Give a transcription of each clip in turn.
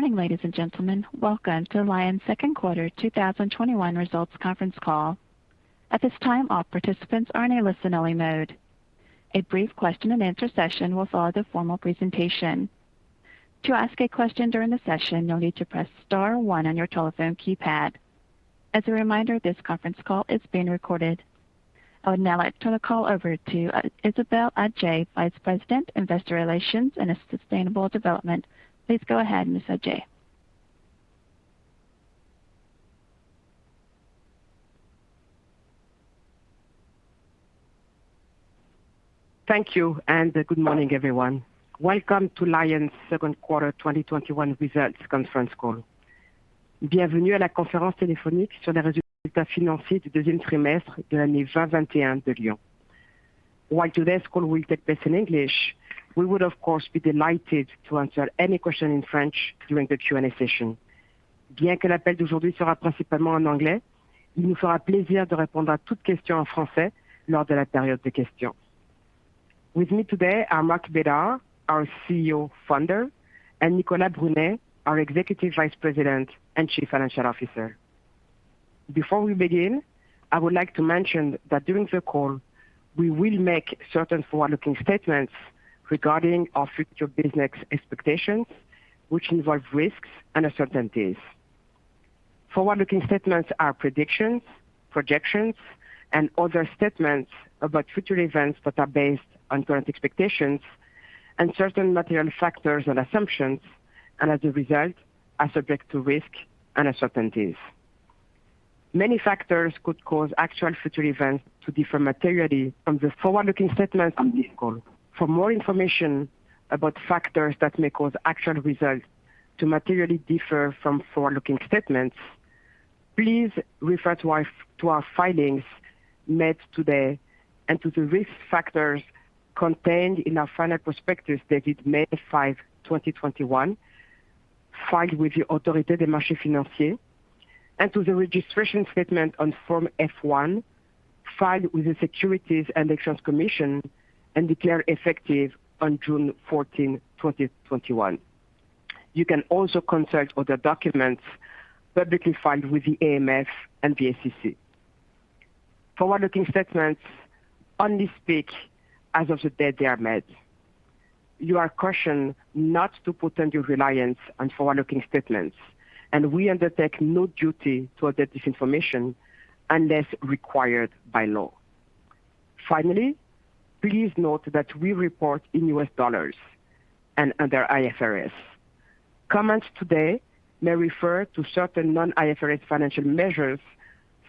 Good morning, ladies and gentlemen. Welcome to Lion's second quarter 2021 results conference call. At this time, all participants are in a listen-only mode. A brief question and answer session will follow the formal presentation. To ask a question during the session, you'll need to press star one on your telephone keypad. As a reminder, this conference call is being recorded. I would now like to turn the call over to Isabelle Adjahi, Vice President, Investor Relations and Sustainable Development. Please go ahead, Ms. Adjahi. Thank you. Good morning, everyone. Welcome to Lion's second quarter 2021 results conference call. While today's call will take place in English, we would, of course, be delighted to answer any question in French during the Q&A session. With me today are Marc Bédard, our CEO Founder, and Nicolas Brunet, our Executive Vice President and Chief Financial Officer. Before we begin, I would like to mention that during the call, we will make certain forward-looking statements regarding our future business expectations, which involve risks and uncertainties. Forward-looking statements are predictions, projections, and other statements about future events that are based on current expectations and certain material factors and assumptions, and as a result, are subject to risk and uncertainties. Many factors could cause actual future events to differ materially from the forward-looking statements on this call. For more information about factors that may cause actual results to materially differ from forward-looking statements, please refer to our filings made today and to the risk factors contained in our final prospectus dated May 5, 2021, filed with the Autorité des marchés financiers, and to the registration statement on Form F-1, filed with the Securities and Exchange Commission and declared effective on June 14th, 2021. You can also consult other documents publicly filed with the AMF and the SEC. Forward-looking statements only speak as of the date they are made. You are cautioned not to put any reliance on forward-looking statements, and we undertake no duty to update this information unless required by law. Finally, please note that we report in US dollars and under IFRS. Comments today may refer to certain non-IFRS financial measures,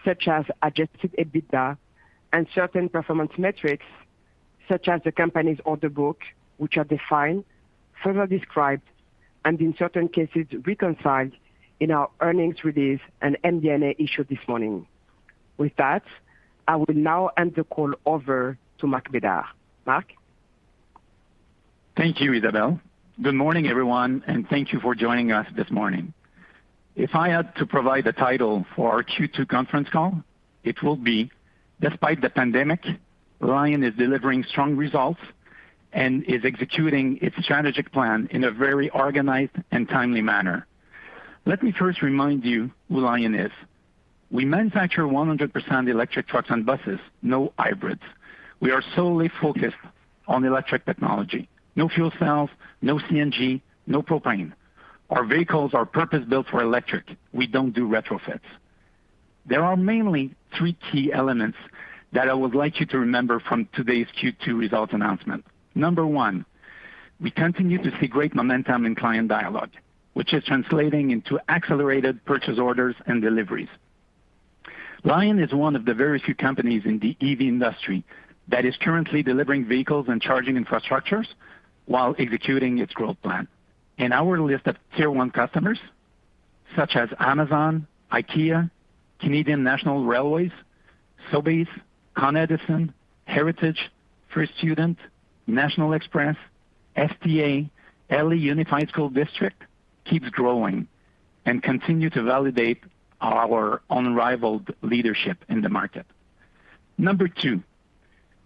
such as adjusted EBITDA and certain performance metrics, such as the company's order book, which are defined, further described, and in certain cases, reconciled in our earnings release and MD&A issued this morning. With that, I will now hand the call over to Marc Bédard. Marc? Thank you, Isabelle. Good morning, everyone, thank you for joining us this morning. If I had to provide a title for our Q2 conference call, it will be, Despite the Pandemic, Lion is Delivering Strong Results and is Executing its Strategic Plan in a Very Organized and Timely Manner. Let me first remind you who Lion is. We manufacture 100% electric trucks and buses, no hybrids. We are solely focused on electric technology. No fuel cells, no CNG, no propane. Our vehicles are purpose-built for electric. We don't do retrofits. There are mainly three key elements that I would like you to remember from today's Q2 results announcement. Number one, we continue to see great momentum in client dialogue, which is translating into accelerated purchase orders and deliveries. Lion is one of the very few companies in the EV industry that is currently delivering vehicles and charging infrastructures while executing its growth plan. Our list of Tier 1 customers, such as Amazon, IKEA, Canadian National Railway, Sobeys, Con Edison, Heritage, First Student, National Express, FTA, L.A. Unified School District, keeps growing and continue to validate our unrivaled leadership in the market. Number two,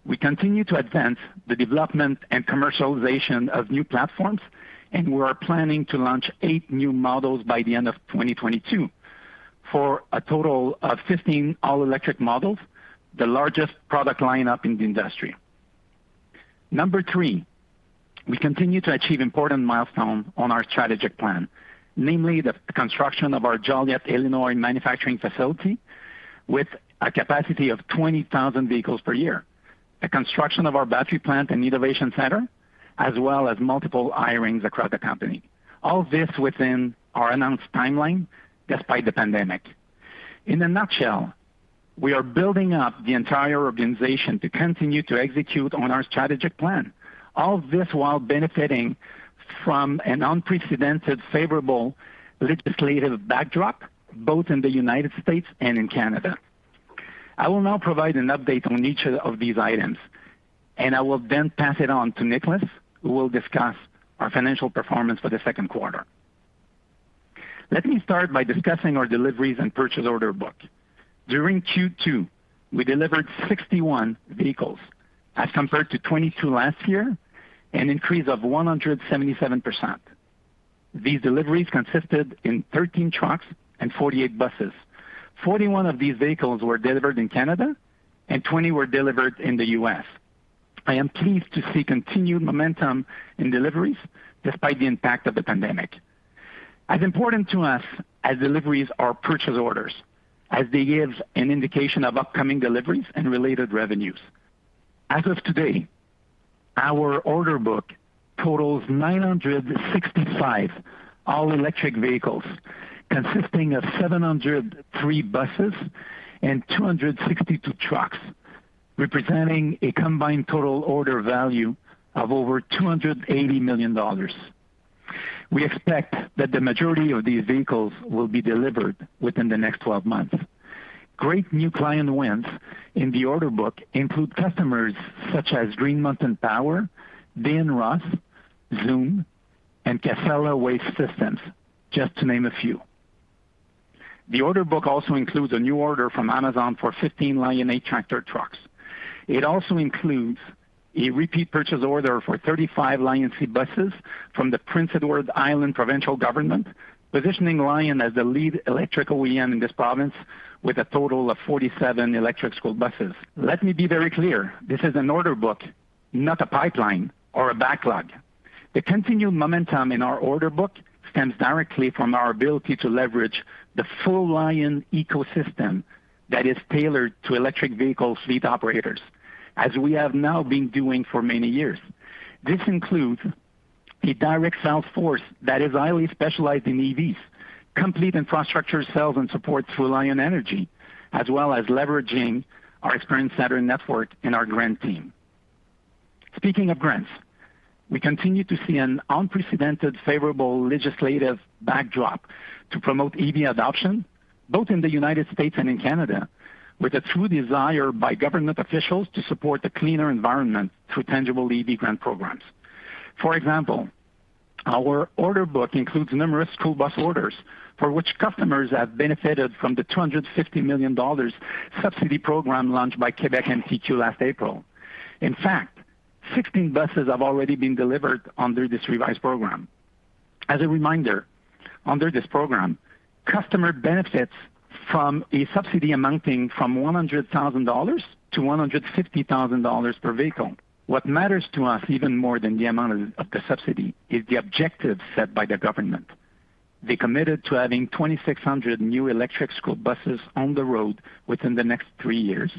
we continue to advance the development and commercialization of new platforms, and we are planning to launch eight new models by the end of 2022, for a total of 15 all-electric models, the largest product line-up in the industry. Number three, we continue to achieve important milestones on our strategic plan, namely the construction of our Joliet, Illinois, manufacturing facility with a capacity of 20,000 vehicles per year, the construction of our battery plant and innovation center, as well as multiple hirings across the company. All this within our announced timeline despite the pandemic. In a nutshell, we are building up the entire organization to continue to execute on our strategic plan. All this while benefiting from an unprecedented favorable legislative backdrop, both in the U.S. and in Canada. I will now provide an update on each of these items, and I will then pass it on to Nicolas, who will discuss our financial performance for the second quarter. Let me start by discussing our deliveries and purchase order book. During Q2, we delivered 61 vehicles as compared to 22 last year, an increase of 177%. These deliveries consisted of 13 trucks and 48 buses. 41 of these vehicles were delivered in Canada, and 20 were delivered in the U.S. I am pleased to see continued momentum in deliveries despite the impact of the pandemic. As important to us as deliveries are purchase orders, as they give an indication of upcoming deliveries and related revenues. As of today, our order book totals 965 all-electric vehicles consisting of 703 buses and 262 trucks, representing a combined total order value of over 280 million dollars. We expect that the majority of these vehicles will be delivered within the next 12 months. Great new client wins in the order book include customers such as Green Mountain Power, Day & Ross, Zum, and Casella Waste Systems, just to name a few. The order book also includes a new order from Amazon for 15 Lion8 tractor trucks. It also includes a repeat purchase order for 35 LionC buses from the Prince Edward Island provincial government, positioning Lion as the lead electrical OEM in this province with a total of 47 electric school buses. Let me be very clear. This is an order book, not a pipeline or a backlog. The continued momentum in our order book stems directly from our ability to leverage the full Lion ecosystem that is tailored to electric vehicle fleet operators, as we have now been doing for many years. This includes a direct sales force that is highly specialized in EVs, complete infrastructure sales and support through LionEnergy, as well as leveraging our Experience Center network and our Grant team. Speaking of grants, we continue to see an unprecedented favorable legislative backdrop to promote EV adoption, both in the U.S. and in Canada, with a true desire by government officials to support a cleaner environment through tangible EV grant programs. Our order book includes numerous school bus orders for which customers have benefited from the 250 million dollars subsidy program launched by Quebec MTQ last April. In fact, 16 buses have already been delivered under this revised program. As a reminder, under this program, customer benefits from a subsidy amounting from 100,000-150,000 dollars per vehicle. What matters to us even more than the amount of the subsidy is the objective set by the government. They committed to having 2,600 new electric school buses on the road within the next three years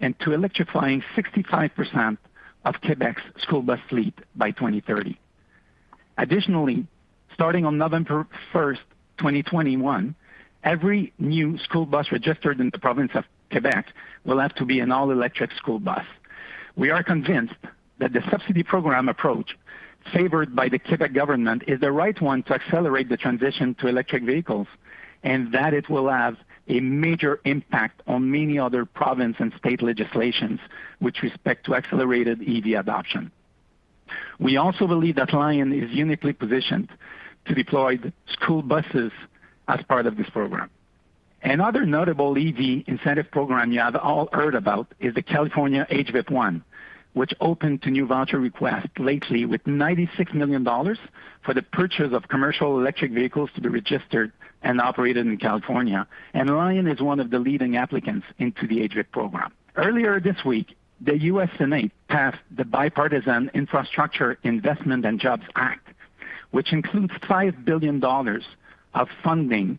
and to electrifying 65% of Quebec's school bus fleet by 2030. Additionally, starting on November 1st, 2021, every new school bus registered in the province of Quebec will have to be an all-electric school bus. We are convinced that the subsidy program approach favored by the Quebec government is the right one to accelerate the transition to electric vehicles, and that it will have a major impact on many other province and state legislations with respect to accelerated EV adoption. We also believe that Lion is uniquely positioned to deploy school buses as part of this program. Another notable EV incentive program you have all heard about is the California HVIP 1, which opened to new voucher requests lately with 96 million dollars for the purchase of commercial electric vehicles to be registered and operated in California. Lion is one of the leading applicants into the HVIP program. Earlier this week, the U.S. Senate passed the Bipartisan Infrastructure Investment and Jobs Act, which includes 5 billion dollars of funding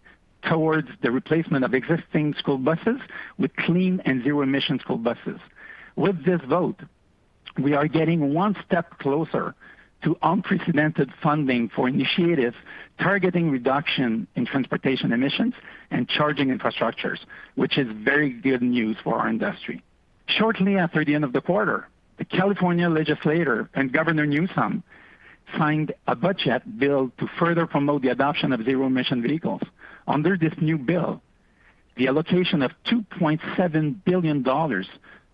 towards the replacement of existing school buses with clean and zero-emission school buses. With this vote, we are getting one step closer to unprecedented funding for initiatives targeting reduction in transportation emissions and charging infrastructures, which is very good news for our industry. Shortly after the end of the quarter, the California Legislature and Governor Newsom signed a budget bill to further promote the adoption of zero-emission vehicles. Under this new bill, the allocation of 2.7 billion dollars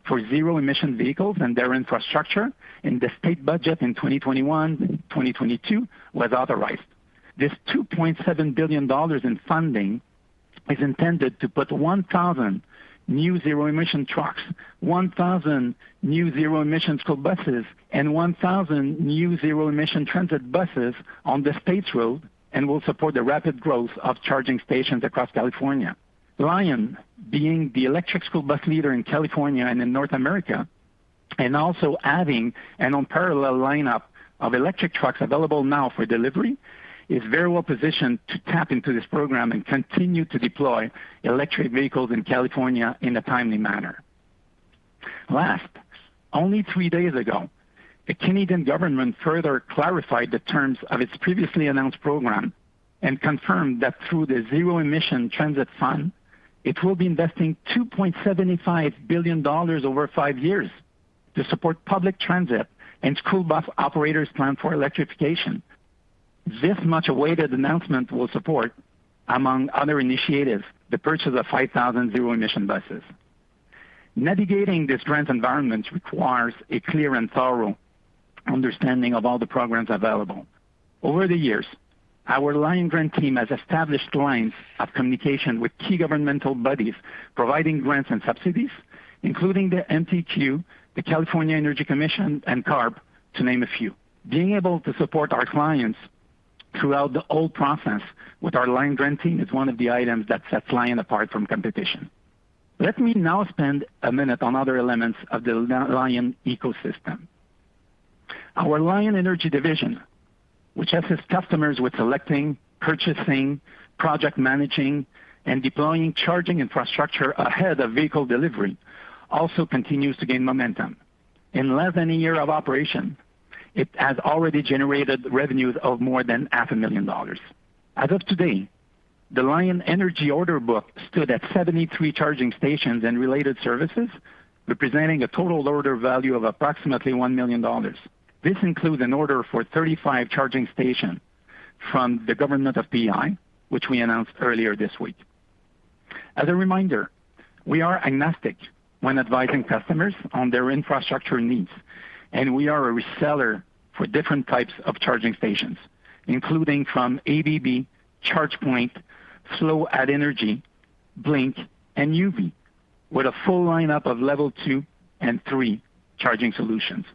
for zero-emission vehicles and their infrastructure in the state budget in 2021 and 2022 was authorized. This 2.7 billion dollars in funding is intended to put 1,000 new zero-emission trucks, 1,000 new zero-emission school buses, and 1,000 new zero-emission transit buses on the state's road and will support the rapid growth of charging stations across California. Lion, being the electric school bus leader in California and in North America, and also adding an unparalleled lineup of electric trucks available now for delivery, is very well positioned to tap into this program and continue to deploy electric vehicles in California in a timely manner. Last, only three days ago, the Canadian government further clarified the terms of its previously announced program and confirmed that through the Zero Emission Transit Fund, it will be investing 2.75 billion dollars over five years to support public transit and school bus operators' plan for electrification. This much-awaited announcement will support, among other initiatives, the purchase of 5,000 zero-emission buses. Navigating this grant environment requires a clear and thorough understanding of all the programs available. Over the years, our Lion Grant team has established lines of communication with key governmental bodies providing grants and subsidies, including the MTQ, the California Energy Commission, and CARB, to name a few. Being able to support our clients throughout the whole process with our Lion Grant team is one of the items that sets Lion apart from competition. Let me now spend a minute on other elements of the Lion ecosystem. Our Lion Energy division, which assists customers with selecting, purchasing, project managing, and deploying charging infrastructure ahead of vehicle delivery, also continues to gain momentum. In less than a year of operation, it has already generated revenues of more than 500,000 dollars. As of today, the LionEnergy order book stood at 73 charging stations and related services, representing a total order value of approximately 1 million dollars. This includes an order for 35 charging stations from the government of PEI, which we announced earlier this week. As a reminder, we are agnostic when advising customers on their infrastructure needs, we are a reseller for different types of charging stations, including from ABB, ChargePoint, Flo AddEnergie, Blink, and Nuvve, with a full lineup of level two and three charging solutions.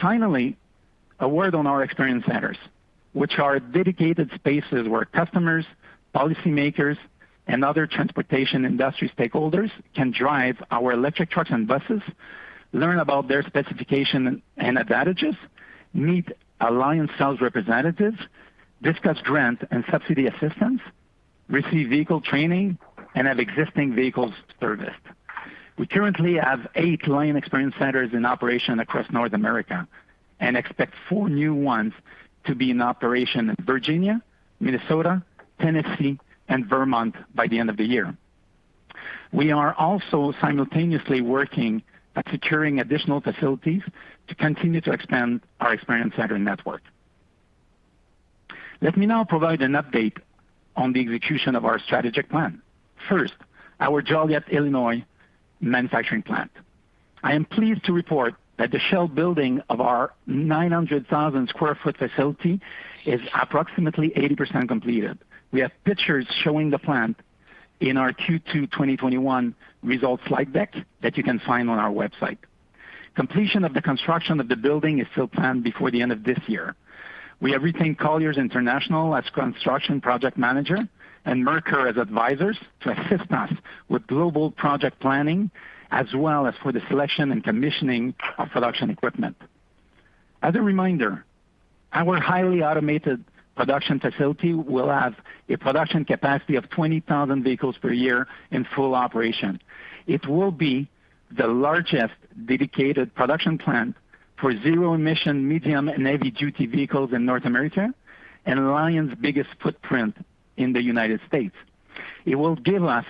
Finally, a word on our experience centers, which are dedicated spaces where customers, policymakers, and other transportation industry stakeholders can drive our electric trucks and buses, learn about their specifications and advantages, meet Lion sales representatives, discuss grants and subsidy assistance, receive vehicle training, and have existing vehicles serviced. We currently have eight Lion Experience Centers in operation across North America and expect four new ones to be in operation in Virginia, Minnesota, Tennessee, and Vermont by the end of the year. We are also simultaneously working at securing additional facilities to continue to expand our experience center network. Let me now provide an update on the execution of our strategic plan. First, our Joliet, Illinois manufacturing plant. I am pleased to report that the shell building of our 900,000 sq ft facility is approximately 80% completed. We have pictures showing the plant in our Q2 2021 results slide deck that you can find on our website. Completion of the construction of the building is still planned before the end of this year. We have retained Colliers International as construction project manager and Mercer as advisors to assist us with global project planning, as well as for the selection and commissioning of production equipment. As a reminder, our highly automated production facility will have a production capacity of 20,000 vehicles per year in full operation. It will be the largest dedicated production plant for zero-emission medium and heavy-duty vehicles in North America and Lion's biggest footprint in the United States. It will give us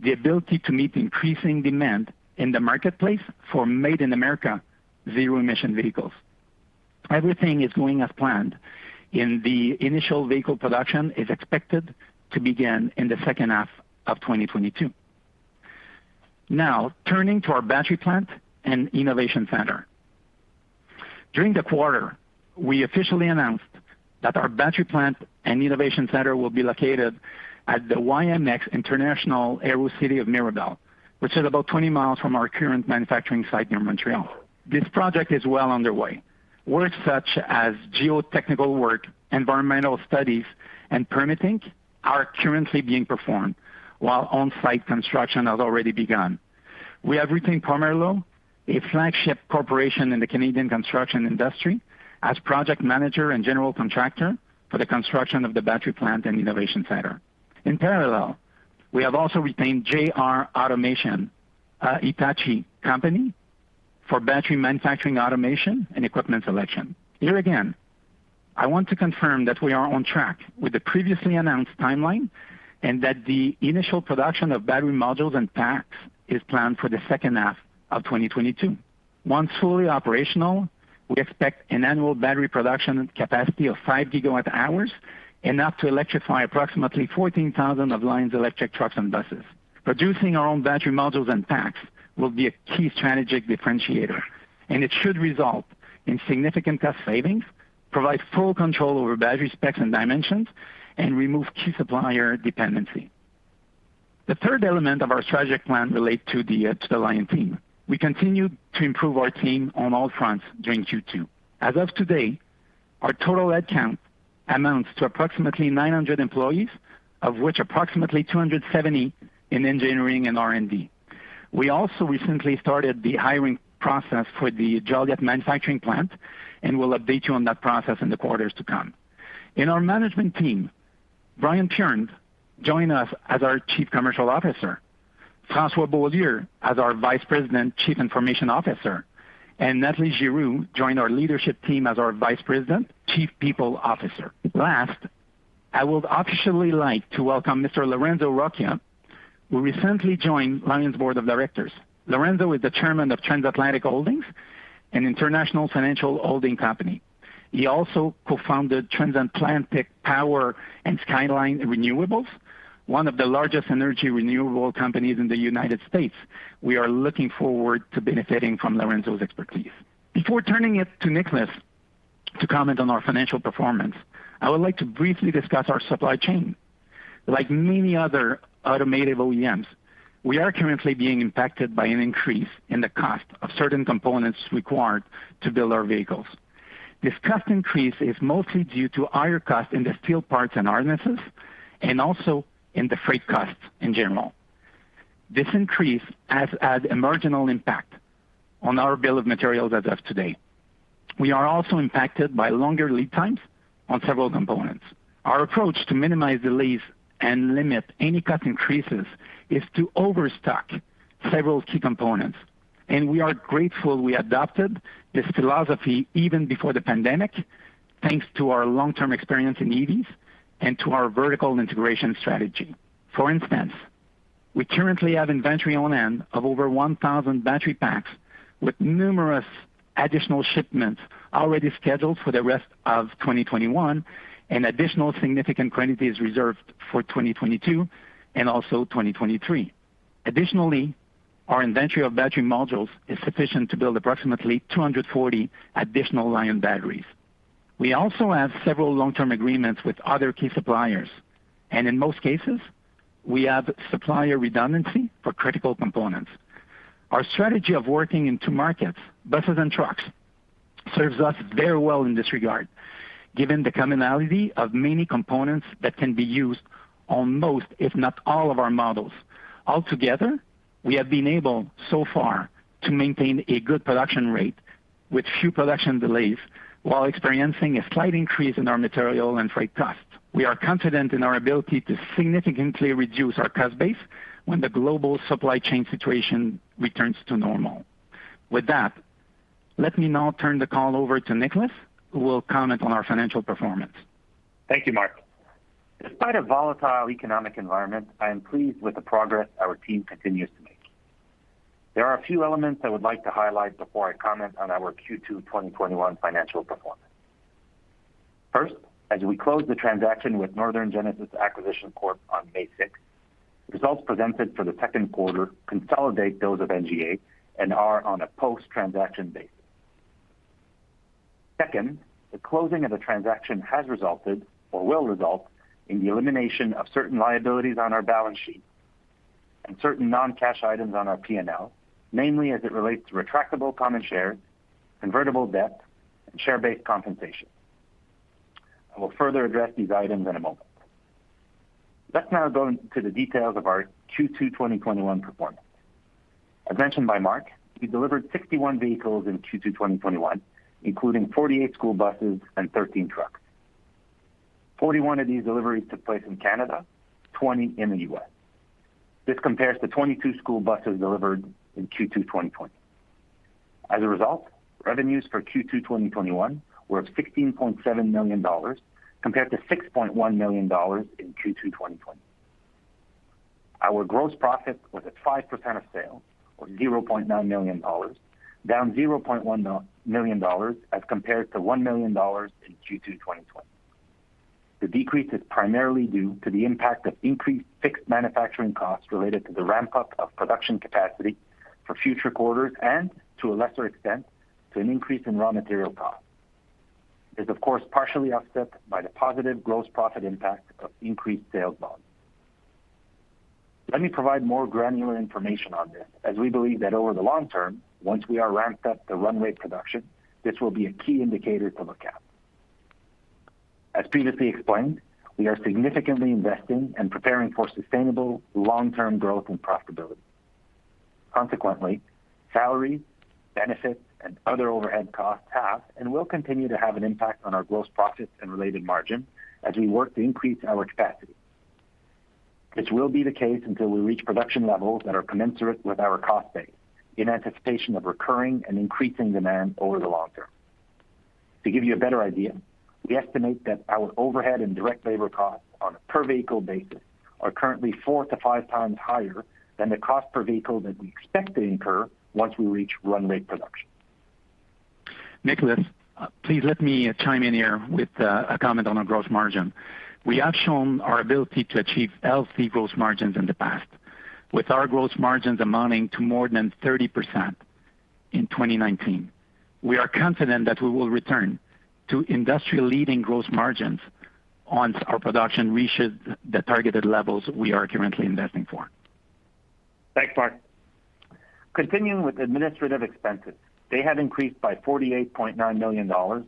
the ability to meet increasing demand in the marketplace for made-in-America zero-emission vehicles. Everything is going as planned, and the initial vehicle production is expected to begin in the second half of 2022. Now, turning to our battery plant and innovation center. During the quarter, we officially announced that our battery plant and innovation center will be located at the YMX International Aero City of Mirabel, which is about 20 mi from our current manufacturing site near Montreal. This project is well underway. Work such as geotechnical work, environmental studies, and permitting are currently being performed while on-site construction has already begun. We have retained Pomerleau, a flagship corporation in the Canadian construction industry, as project manager and general contractor for the construction of the battery plant and innovation center. In parallel, we have also retained JR Automation, a Hitachi company, for battery manufacturing automation, and equipment selection. Here again, I want to confirm that we are on track with the previously announced timeline and that the initial production of battery modules and packs is planned for the second half of 2022. Once fully operational, we expect an annual battery production capacity of 5 GWh, enough to electrify approximately 14,000 of Lion's electric trucks and buses. Producing our own battery modules and packs will be a key strategic differentiator, and it should result in significant cost savings, provide full control over battery specs and dimensions, and remove key supplier dependency. The third element of our strategic plan relates to the Lion team. We continued to improve our team on all fronts during Q2. As of today, our total head count amounts to approximately 900 employees, of which approximately 270 in engineering and R&D. We also recently started the hiring process for the Joliet manufacturing plant, and we'll update you on that process in the quarters to come. In our management team, Brian Piern joined us as our Chief Commercial Officer, François Beaulieu as our Vice President Chief Information Officer, Nathalie Giroux joined our leadership team as our Vice President Chief People Officer. Last, I would officially like to welcome Mr. Lorenzo Roccia, who recently joined Lion's Board of Directors. Lorenzo is the Chairman of Transatlantic Holdings. An international financial holding company. He also co-founded Transatlantic Power and Skyline Renewables, one of the largest energy renewable companies in the United States. We are looking forward to benefiting from Lorenzo's expertise. Before turning it to Nicolas to comment on our financial performance, I would like to briefly discuss our supply chain. Like many other automated OEMs, we are currently being impacted by an increase in the cost of certain components required to build our vehicles. This cost increase is mostly due to higher costs in the steel parts and harnesses, and also in the freight costs in general. This increase has had a marginal impact on our bill of materials as of today. We are also impacted by longer lead times on several components. Our approach to minimize delays and limit any cost increases is to overstock several key components, and we are grateful we adopted this philosophy even before the pandemic, thanks to our long-term experience in EVs and to our vertical integration strategy. For instance, we currently have inventory on hand of over 1,000 battery packs, with numerous additional shipments already scheduled for the rest of 2021, and additional significant quantities reserved for 2022 and also 2023. Additionally, our inventory of battery modules is sufficient to build approximately 240 additional Lion batteries. We also have several long-term agreements with other key suppliers, and in most cases, we have supplier redundancy for critical components. Our strategy of working in two markets, buses and trucks, serves us very well in this regard, given the commonality of many components that can be used on most, if not all, of our models. Altogether, we have been able so far to maintain a good production rate with few production delays while experiencing a slight increase in our material and freight costs. We are confident in our ability to significantly reduce our cost base when the global supply chain situation returns to normal. With that, let me now turn the call over to Nicolas, who will comment on our financial performance. Thank you, Marc. Despite a volatile economic environment, I am pleased with the progress our team continues to make. There are a few elements I would like to highlight before I comment on our Q2 2021 financial performance. First, as we close the transaction with Northern Genesis Acquisition Corp on May 6, results presented for the second quarter consolidate those of NGA and are on a post-transaction basis. Second, the closing of the transaction has resulted or will result in the elimination of certain liabilities on our balance sheet and certain non-cash items on our P&L, namely as it relates to retractable common shares, convertible debt, and share-based compensation. I will further address these items in a moment. Let's now go into the details of our Q2 2021 performance. As mentioned by Marc, we delivered 61 vehicles in Q2 2021, including 48 school buses and 13 trucks. 41 of these deliveries took place in Canada, 20 in the U.S. This compares to 22 school buses delivered in Q2 2020. As a result, revenues for Q2 2021 were at 16.7 million dollars, compared to 6.1 million dollars in Q2 2020. Our gross profit was at 5% of sales, or 0.9 million dollars, down 0.1 million dollars as compared to 1 million dollars in Q2 2020. The decrease is primarily due to the impact of increased fixed manufacturing costs related to the ramp-up of production capacity for future quarters and, to a lesser extent, to an increase in raw material costs. It is of course partially offset by the positive gross profit impact of increased sales volume. Let me provide more granular information on this, as we believe that over the long term, once we are ramped up to run rate production, this will be a key indicator to look at. As previously explained, we are significantly investing and preparing for sustainable long-term growth and profitability. Consequently, salary, benefits, and other overhead costs have and will continue to have an impact on our gross profits and related margin as we work to increase our capacity. This will be the case until we reach production levels that are commensurate with our cost base in anticipation of recurring and increasing demand over the long term. To give you a better idea, we estimate that our overhead and direct labor costs on a per vehicle basis are currently four to five times higher than the cost per vehicle that we expect to incur once we reach run rate production. Nicolas, please let me chime in here with a comment on our gross margin. We have shown our ability to achieve healthy gross margins in the past, with our gross margins amounting to more than 30% in 2019. We are confident that we will return to industry-leading gross margins once our production reaches the targeted levels we are currently investing for. Thanks, Marc. Continuing with administrative expenses, they have increased by 48.9 million dollars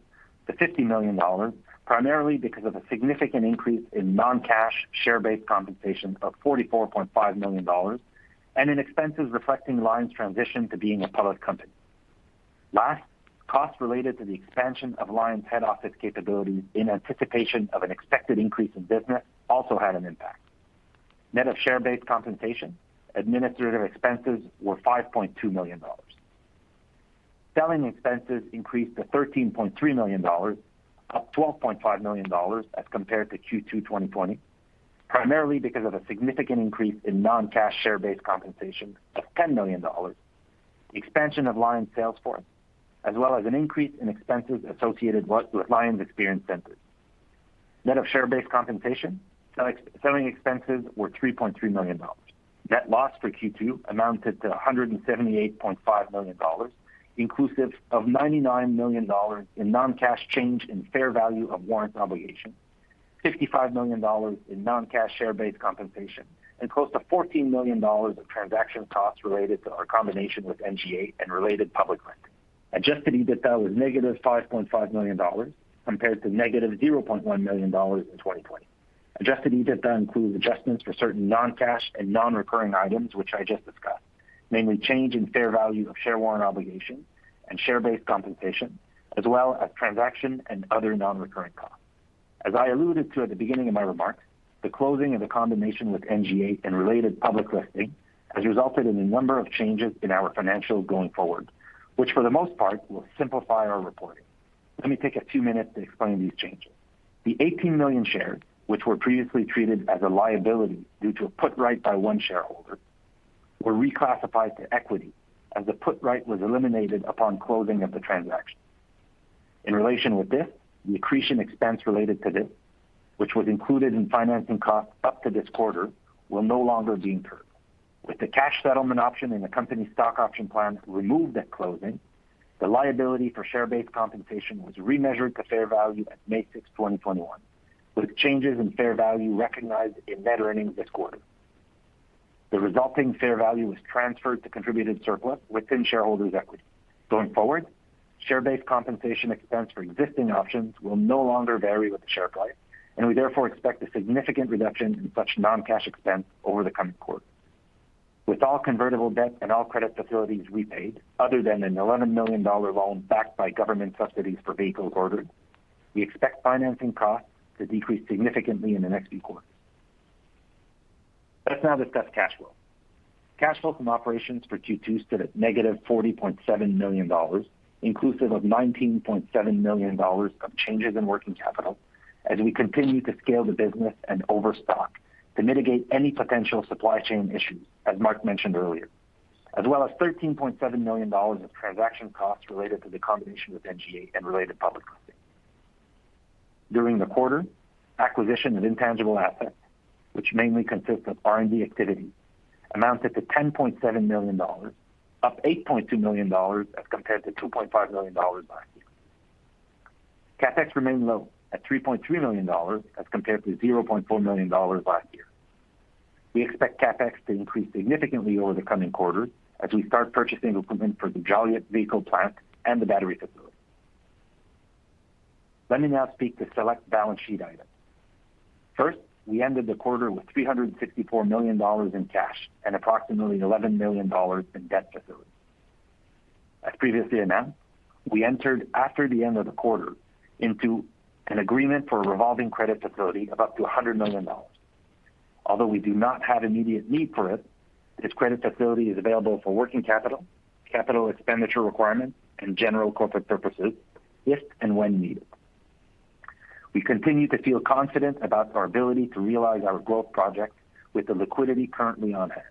to 50 million dollars, primarily because of a significant increase in non-cash share-based compensation of 44.5 million dollars and in expenses reflecting Lion's transition to being a public company. Last, costs related to the expansion of Lion's head office capabilities in anticipation of an expected increase in business also had an impact. Net of share-based compensation, administrative expenses were 5.2 million dollars. Selling expenses increased to 13.3 million dollars, up 12.5 million dollars as compared to Q2 2020. Primarily because of a significant increase in non-cash share-based compensation of 10 million dollars, expansion of Lion's sales force, as well as an increase in expenses associated with Lion Experience Centers. Net of share-based compensation, selling expenses were 3.3 million dollars. Net loss for Q2 amounted to 178.5 million dollars, inclusive of 99 million dollars in non-cash change in fair value of warrant obligation, 55 million dollars in non-cash share-based compensation, and close to 14 million dollars of transaction costs related to our combination with NGA and related public. Adjusted EBITDA was negative 5.5 million dollars compared to negative 0.1 million dollars in 2020. Adjusted EBITDA includes adjustments for certain non-cash and non-recurring items, which I just discussed, namely change in fair value of share warrant obligation and share-based compensation, as well as transaction and other non-recurring costs. As I alluded to at the beginning of my remarks, the closing of the combination with NGA and related public listing has resulted in a number of changes in our financials going forward, which for the most part will simplify our reporting. Let me take a few minutes to explain these changes. The 18 million shares, which were previously treated as a liability due to a put right by one shareholder, were reclassified to equity as the put right was eliminated upon closing of the transaction. In relation with this, the accretion expense related to this, which was included in financing costs up to this quarter, will no longer be incurred. With the cash settlement option and the company stock option plan removed at closing, the liability for share-based compensation was remeasured to fair value at May 6th, 2021, with changes in fair value recognized in net earnings this quarter. The resulting fair value was transferred to contributed surplus within shareholders' equity. Going forward, share-based compensation expense for existing options will no longer vary with the share price, and we therefore expect a significant reduction in such non-cash expense over the coming quarters. With all convertible debt and all credit facilities repaid, other than an 11 million dollar loan backed by government subsidies for vehicles ordered, we expect financing costs to decrease significantly in the next few quarters. Let's now discuss cash flow. Cash flow from operations for Q2 stood at negative 40.7 million dollars, inclusive of 19.7 million dollars of changes in working capital as we continue to scale the business and overstock to mitigate any potential supply chain issues, as Marc mentioned earlier, as well as 13.7 million dollars of transaction costs related to the combination with NGA and related public. During the quarter, acquisition of intangible assets, which mainly consists of R&D activity, amounted to 10.7 million dollars, up 8.2 million dollars as compared to 2.5 million dollars last year. CapEx remained low at 3.3 million dollars as compared to 0.4 million dollars last year. We expect CapEx to increase significantly over the coming quarters as we start purchasing equipment for the Joliet vehicle plant and the battery facility. Let me now speak to select balance sheet items. First, we ended the quarter with 364 million dollars in cash and approximately 11 million dollars in debt facilities. As previously announced, we entered after the end of the quarter into an agreement for a revolving credit facility of up to 100 million dollars. Although we do not have immediate need for it, this credit facility is available for working capital expenditure requirements, and general corporate purposes if and when needed. We continue to feel confident about our ability to realize our growth projects with the liquidity currently on hand.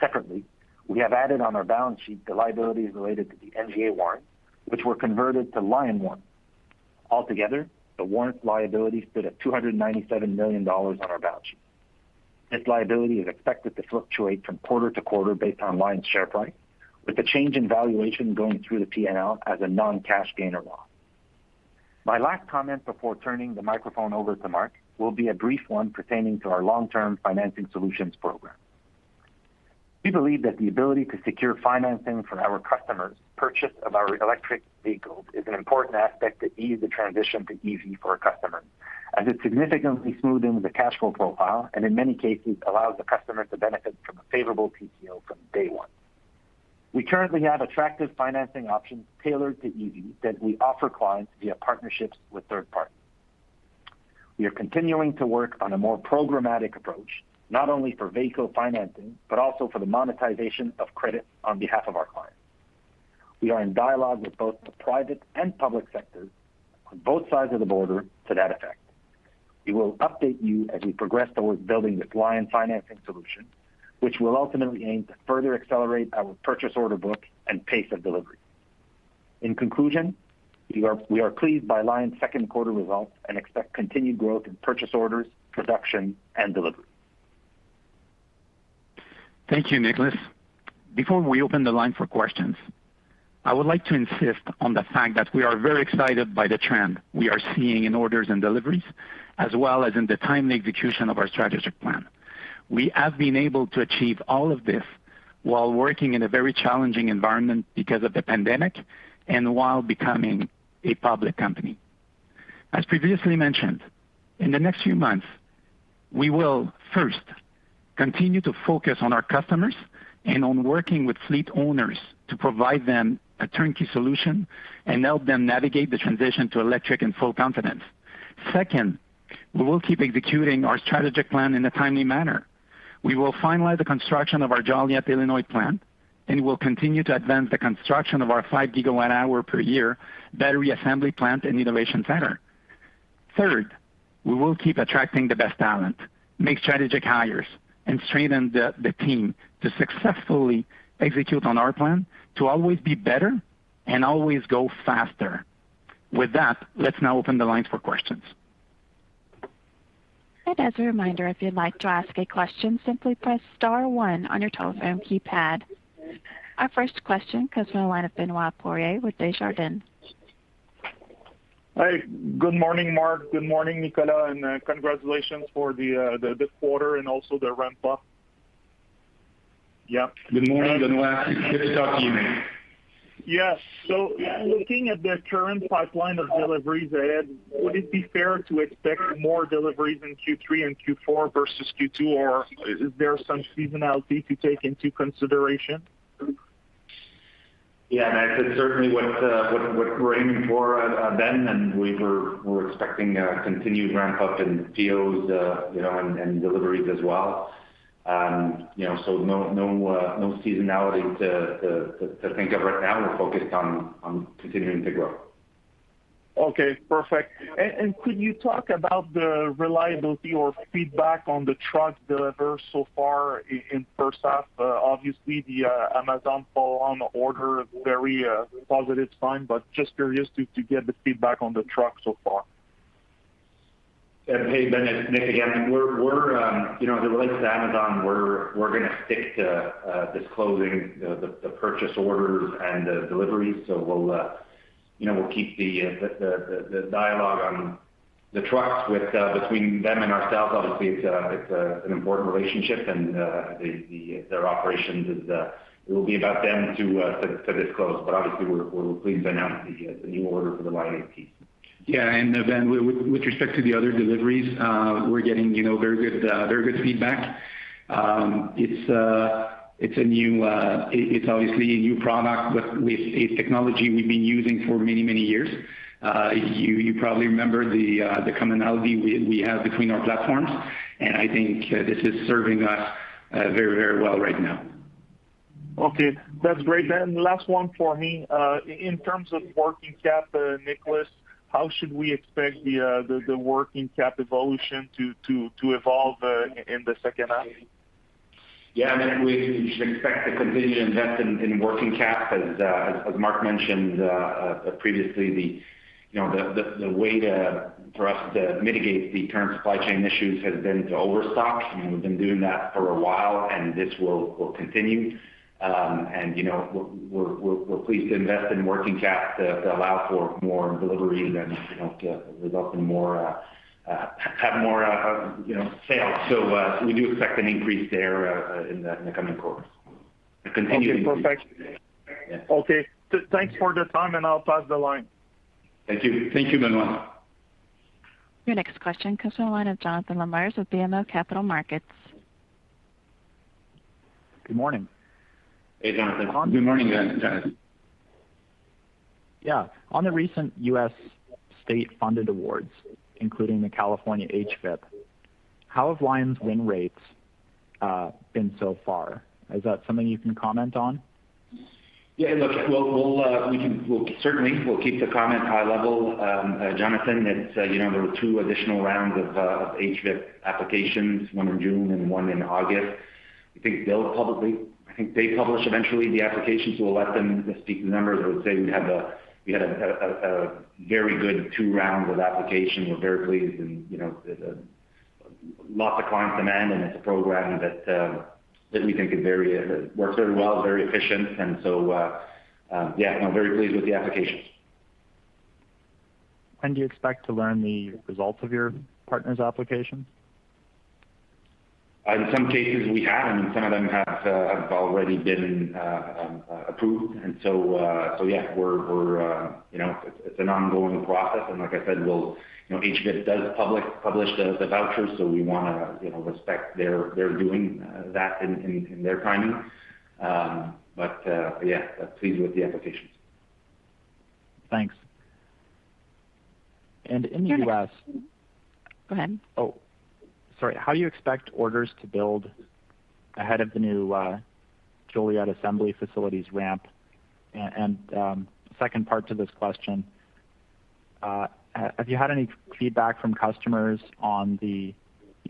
Separately, we have added on our balance sheet the liabilities related to the NGA warrants, which were converted to Lion warrants. Altogether, the warrant liability stood at 297 million dollars on our balance sheet. This liability is expected to fluctuate from quarter to quarter based on Lion's share price, with the change in valuation going through the P&L as a non-cash gain or loss. My last comment before turning the microphone over to Marc will be a brief one pertaining to our long-term financing solutions program. We believe that the ability to secure financing from our customers' purchase of our electric vehicles is an important aspect to ease the transition to EV for our customers, as it significantly smoothens the cash flow profile, and in many cases, allows the customer to benefit from a favorable TCO from day one. We currently have attractive financing options tailored to EVs that we offer clients via partnerships with third parties. We are continuing to work on a more programmatic approach, not only for vehicle financing, but also for the monetization of credit on behalf of our clients. We are in dialogue with both the private and public sectors on both sides of the border to that effect. We will update you as we progress towards building this Lion financing solution, which will ultimately aim to further accelerate our purchase order book and pace of delivery. In conclusion, we are pleased by Lion's second quarter results and expect continued growth in purchase orders, production, and delivery. Thank you, Nicolas. Before we open the line for questions, I would like to insist on the fact that we are very excited by the trend we are seeing in orders and deliveries, as well as in the timely execution of our strategic plan. We have been able to achieve all of this while working in a very challenging environment because of the pandemic, and while becoming a public company. As previously mentioned, in the next few months, we will first continue to focus on our customers and on working with fleet owners to provide them a turnkey solution and help them navigate the transition to electric in full confidence. Second, we will keep executing our strategic plan in a timely manner. We will finalize the construction of our Joliet, Illinois plant, and we will continue to advance the construction of our 5 GWh per year battery assembly plant and innovation center. Third, we will keep attracting the best talent, make strategic hires, and strengthen the team to successfully execute on our plan to always be better and always go faster. With that, let's now open the lines for questions. As a reminder, if you'd like to ask a question, simply press star one on your telephone keypad. Our first question comes from the line of Benoit Poirier with Desjardins. Hi. Good morning, Marc. Good morning, Nicolas. Congratulations for the good quarter and also the ramp up. Good morning, Benoit. Good to talk to you, man. Yes. Looking at the current pipeline of deliveries ahead, would it be fair to expect more deliveries in Q3 and Q4 versus Q2? Is there some seasonality to take into consideration? That's certainly what we're aiming for Ben, and we're expecting a continued ramp up in POs, and deliveries as well. No seasonality to think of right now. We're focused on continuing to grow. Okay, perfect. Could you talk about the reliability or feedback on the truck delivered so far in first half? Obviously the Amazon follow-on order, very positive sign, but just curious to get the feedback on the truck so far. Hey, Ben, it's Nick again. With relates to Amazon, we're going to stick to disclosing the purchase orders and the deliveries. We'll keep the dialogue on the trucks between them and ourselves. Obviously, it's an important relationship and their operations, it will be about them to disclose. Obviously, we're pleased to announce the new order for the YAT. Yeah. Ben, with respect to the other deliveries, we're getting very good feedback. It's obviously a new product, but with a technology we've been using for many, many years. You probably remember the commonality we have between our platforms, and I think this is serving us very, very well right now. Okay. That's great. Then, last one for me. In terms of working cap, Nicolas, how should we expect the working cap evolution to evolve in the second half? Yeah, Ben, we should expect a continued investment in working cap as Marc mentioned previously. The way for us to mitigate the current supply chain issues has been to overstock. We've been doing that for a while, and this will continue. We're pleased to invest in working cap to allow for more deliveries and to result in more sales. We do expect an increase there in the coming quarters. A continued increase. Okay, perfect. Yeah. Okay. Thanks for the time. I'll pass the line. Thank you, Thank you, Benoit. Your next question comes from the line of Jonathan Lamers with BMO Capital Markets. Good morning. Hey, Jonathan. Good morning, Jonathan. Yeah. On the recent U.S. state-funded awards, including the California HVIP, how have Lion's win rates been so far? Is that something you can comment on? Yeah, look, certainly. We'll keep the comment high level, Jonathan. There were two additional rounds of HVIP applications, one in June and one in August. I think they publish eventually the applications, so we'll let them speak to the numbers. I would say we had a very good two rounds of application. We're very pleased, and lots of client demand, and it's a program that we think works very well, very efficient. Yeah, I'm very pleased with the applications. When do you expect to learn the results of your partners' applications? In some cases we have, some of them have already been approved. Yeah, it's an ongoing process, and like I said, HVIP does publish the vouchers, we want to respect their doing that in their timing. Yeah, pleased with the applications. Thanks. In the U.S. Go ahead. Oh, sorry. How you expect orders to build ahead of the new Joliet assembly facilities ramp? Second part to this question, have you had any feedback from customers on the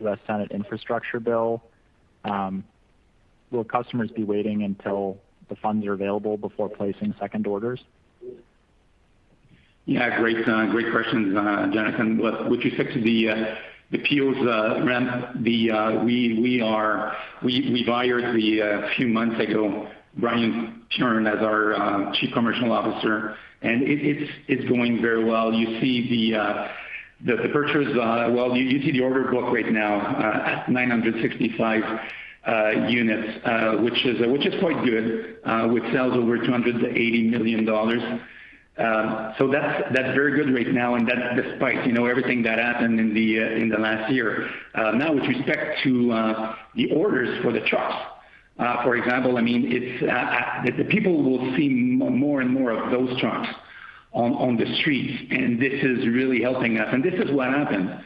U.S. Senate infrastructure bill? Will customers be waiting until the funds are available before placing second orders? Yeah. Great questions, Jonathan. With respect to the POs ramp, we've hired a few months ago Brian Piern as our Chief Commercial Officer. It's going very well. You see the purchase. Well, you see the order book right now at 965 units, which is quite good. With sales over 280 million dollars. That's very good right now, despite everything that happened in the last year. With respect to the orders for the trucks. For example, the people will see more and more of those trucks. On the streets. This is really helping us. This is what happened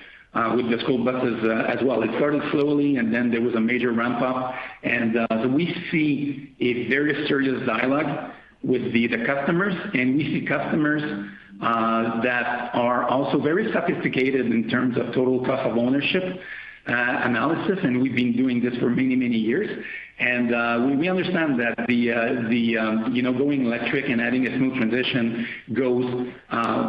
with the school buses as well. It started slowly, then there was a major ramp up. We see a very serious dialogue with the customers, and we see customers that are also very sophisticated in terms of total cost of ownership analysis. We've been doing this for many years, and we understand that going electric and having a smooth transition goes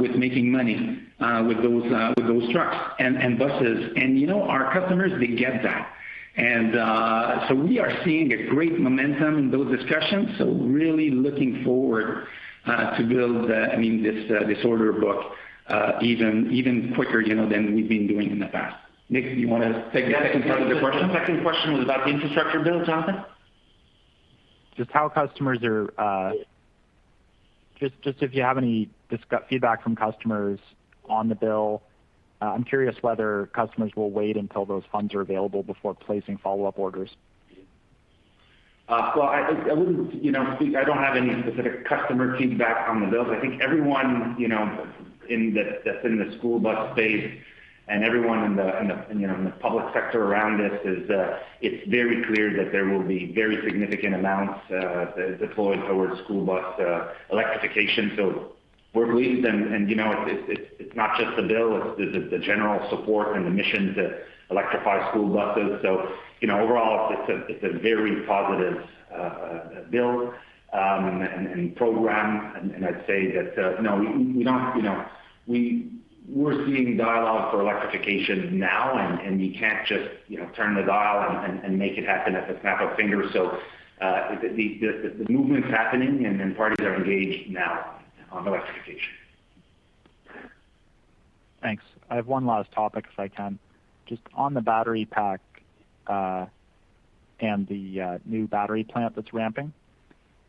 with making money with those trucks and buses. Our customers, they get that. We are seeing a great momentum in those discussions. Really looking forward to build this order book even quicker than we've been doing in the past. Nick, do you want to take the second part of the question? Yes. The second question was about the infrastructure bill, Jonathan. Just if you have any feedback from customers on the bill. I'm curious whether customers will wait until those funds are available before placing follow-up orders. Well, I don't have any specific customer feedback on the bill. I think everyone that's in the school bus space and everyone in the public sector around this, it's very clear that there will be very significant amounts deployed towards school bus electrification. We're pleased. It's not just the bill, it's the general support and the mission to electrify school buses. Overall, it's a very positive bill and program. I'd say that we're seeing dialogue for electrification now, and you can't just turn the dial and make it happen at the snap of fingers. The movement's happening and parties are engaged now on electrification. Thanks. I have one last topic, if I can. Just on the battery pack and the new battery plant that's ramping-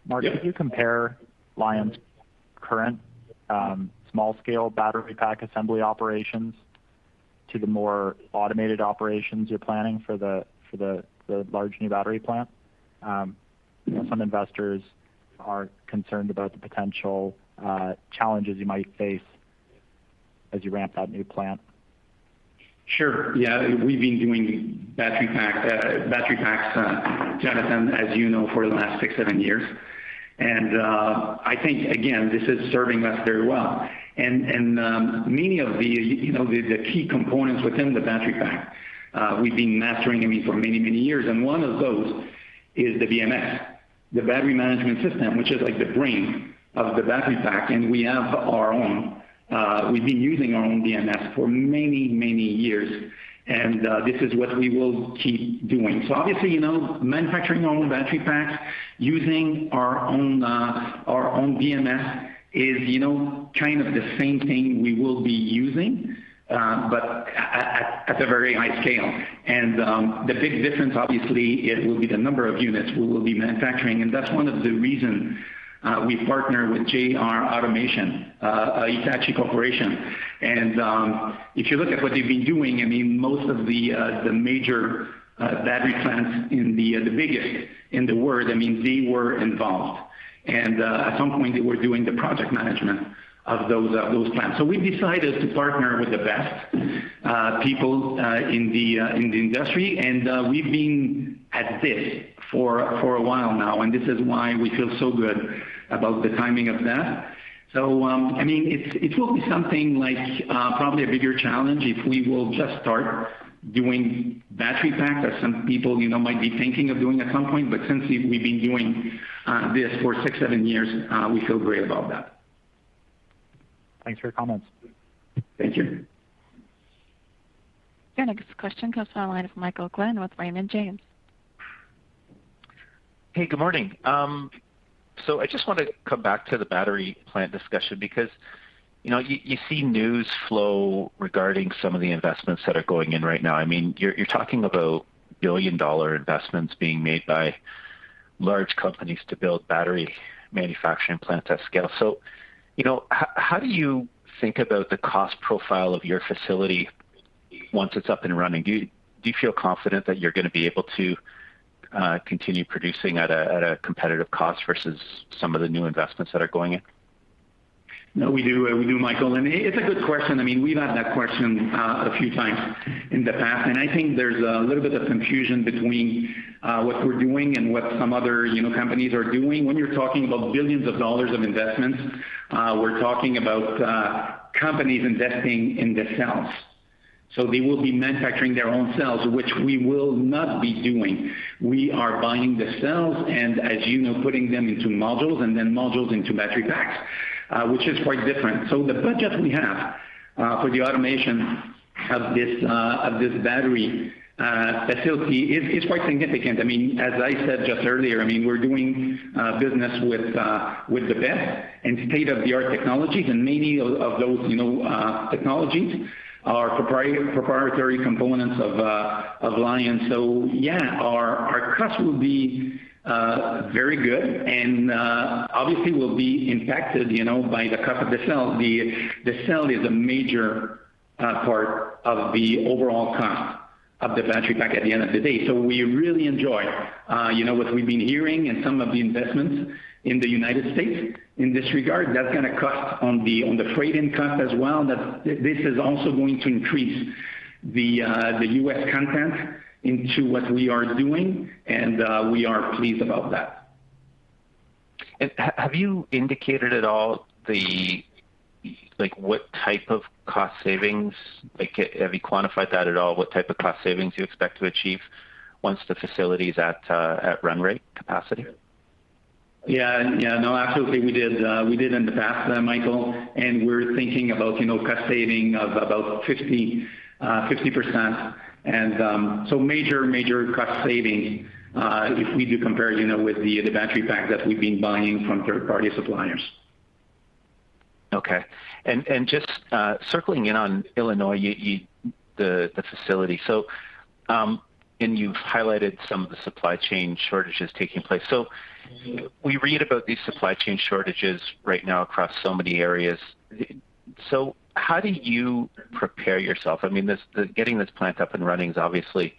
Yeah Marc, could you compare Lion's current small-scale battery pack assembly operations to the more automated operations you're planning for the large new battery plant? Some investors are concerned about the potential challenges you might face as you ramp that new plant. Sure. Yeah. We've been doing battery packs, Jonathan, as you know, for the last six, seven years. I think, again, this is serving us very well. Many of the key components within the battery pack we've been mastering for many years. One of those is the BMS, the battery management system, which is like the brain of the battery pack. We have our own. We've been using our own BMS for many years, and this is what we will keep doing. Obviously, manufacturing our own battery packs using our own BMS is kind of the same thing we will be using, but at a very high scale. The big difference, obviously, it will be the number of units we will be manufacturing. That's one of the reason we partner with JR Automation, Hitachi Corporation. If you look at what they've been doing, most of the major battery plants, the biggest in the world, they were involved. At some point, they were doing the project management of those plants. We decided to partner with the best people in the industry, and we've been at this for a while now, and this is why we feel so good about the timing of that. It will be something like, probably a bigger challenge if we will just start doing battery packs, as some people might be thinking of doing at some point. Since we've been doing this for six, seven years, we feel great about that. Thanks for your comments. Thank you. Your next question comes to the line of Michael Glen with Raymond James. Hey, good morning. I just want to come back to the battery plant discussion because you see news flow regarding some of the investments that are going in right now. You're talking about billion-dollar investments being made by large companies to build battery manufacturing plants at scale. How do you think about the cost profile of your facility once it's up and running? Do you feel confident that you're going to be able to continue producing at a competitive cost versus some of the new investments that are going in? No, we do, Michael. It's a good question. We've had that question a few times in the past, and I think there's a little bit of confusion between what we're doing and what some other companies are doing. When you're talking about billions of dollars of investments, we're talking about companies investing in the cells. They will be manufacturing their own cells, which we will not be doing. We are buying the cells and, as you know, putting them into modules and then modules into battery packs, which is quite different. The budget we have for the automation of this battery facility is quite significant. As I said just earlier, we're doing business with the best and state-of-the-art technologies, and many of those technologies are proprietary components of Lion. Yeah, our cost will be very good and obviously will be impacted by the cost of the cell. The cell is a major part of the overall cost. Of the battery pack at the end of the day. We really enjoy what we've been hearing and some of the investments in the U.S. in this regard. That's going to cut on the freight end cost as well, that this is also going to increase the U.S. content into what we are doing, and we are pleased about that. Have you indicated at all what type of cost savings, have you quantified that at all? What type of cost savings you expect to achieve once the facility is at run rate capacity? Yeah. No, absolutely we did. We did in the past, Michael, we're thinking about cost saving of about 50%. Major cost saving, if we do compare with the battery pack that we've been buying from third-party suppliers. Okay. Just circling in on Illinois, the facility. You've highlighted some of the supply chain shortages taking place. We read about these supply chain shortages right now across so many areas. How do you prepare yourself? Getting this plant up and running is obviously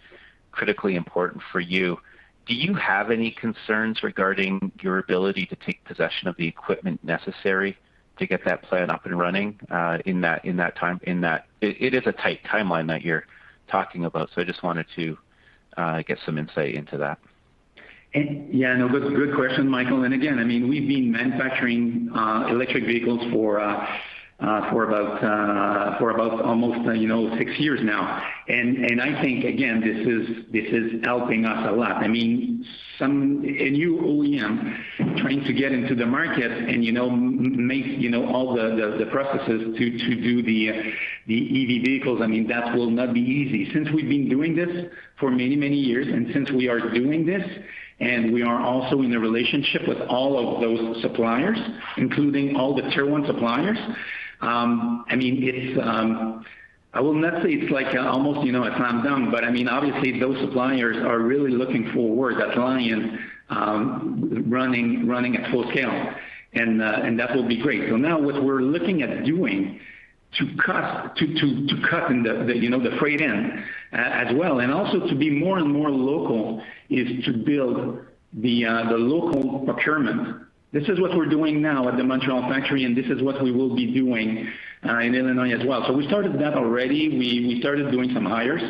critically important for you. Do you have any concerns regarding your ability to take possession of the equipment necessary to get that plant up and running in that time? It is a tight timeline that you're talking about, so I just wanted to get some insight into that. Yeah, no, good question, Michael. Again, we've been manufacturing electric vehicles for about almost six years now. I think, again, this is helping us a lot. A new OEM trying to get into the market and make all the processes to do the EV vehicles, that will not be easy. Since we've been doing this for many, many years, and since we are doing this, and we are also in a relationship with all of those suppliers, including all the Tier 1 suppliers. I will not say it's like almost a slam dunk, but obviously those suppliers are really looking for a Lion running at full scale, and that will be great. Now what we're looking at doing to cut in the freight end as well, and also to be more and more local is to build the local procurement. This is what we're doing now at the Montreal factory, and this is what we will be doing in Illinois as well. We started that already. We started doing some hires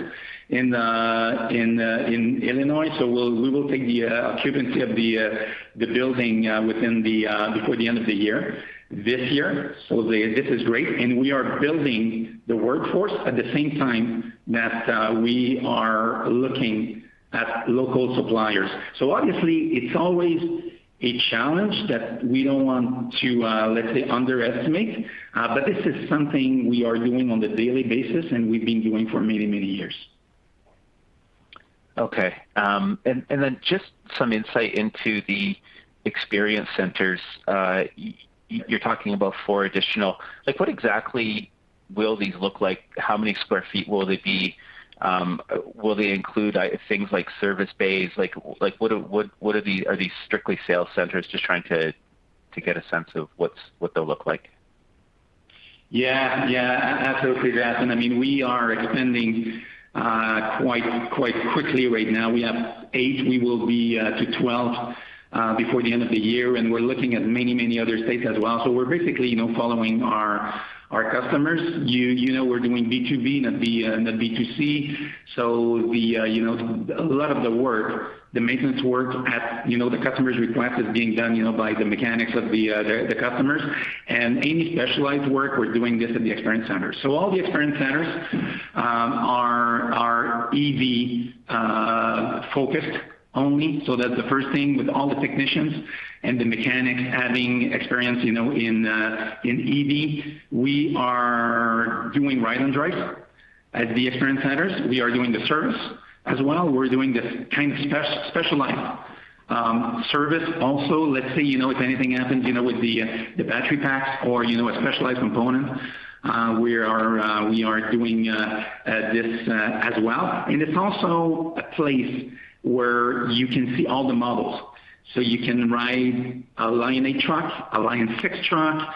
in Illinois. We will take the occupancy of the building before the end of the year, this year. This is great, and we are building the workforce at the same time that we are looking at local suppliers. Obviously, it's always a challenge that we don't want to, let's say, underestimate. This is something we are doing on the daily basis and we've been doing for many, many years. Okay. Just some insight into the experience centers. You are talking about four additional. What exactly will these look like? How many square feet will they be? Will they include things like service bays? Are these strictly sales centers? Just trying to get a sense of what they will look like. Yeah. Absolutely, Jonathan. We are expanding quite quickly right now. We have eight, we will be to 12, before the end of the year, and we're looking at many, many other states as well. We're basically following our customers. We're doing B2B, not B2C. A lot of the work, the maintenance work at the customer's request is being done by the mechanics of the customers. Any specialized work, we're doing this at the experience center. All the experience centers are EV-focused only. That the first thing with all the technicians and the mechanics having experience in EV, we are doing ride-and-drives at the experience centers. We are doing the service as well. We're doing the kind of specialized service also. Let's say, if anything happens with the battery packs or a specialized component, we are doing this as well. It's also a place where you can see all the models. You can ride a Lion8 truck, a Lion6 truck.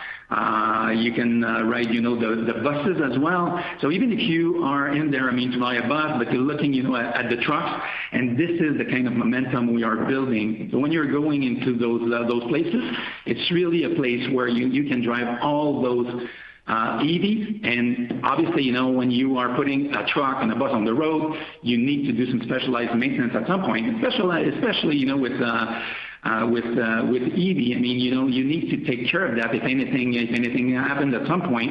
You can ride the buses as well. Even if you are in there, to buy a bus, but you're looking at the trucks, this is the kind of momentum we are building. When you're going into those places, it's really a place where you can drive all those EVs. Obviously, when you are putting a truck and a bus on the road, you need to do some specialized maintenance at some point. Especially with EV, you need to take care of that if anything happens at some point.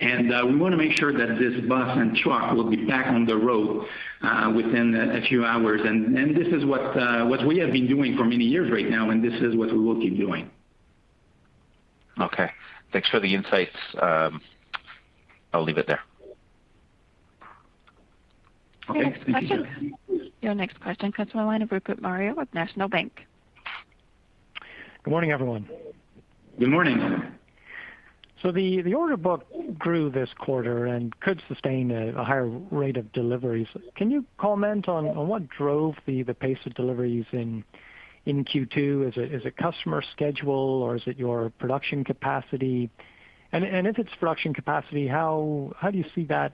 We want to make sure that this bus and truck will be back on the road within a few hours. This is what we have been doing for many years right now, and this is what we will keep doing. Okay. Thanks for the insights. I'll leave it there. Okay. Thank you. Your next question comes from the line of Rupert Merer with National Bank. Good morning, everyone. Good morning. The order book grew this quarter and could sustain a higher rate of deliveries. Can you comment on what drove the pace of deliveries in Q2? Is it customer schedule, or is it your production capacity? If it's production capacity, how do you see that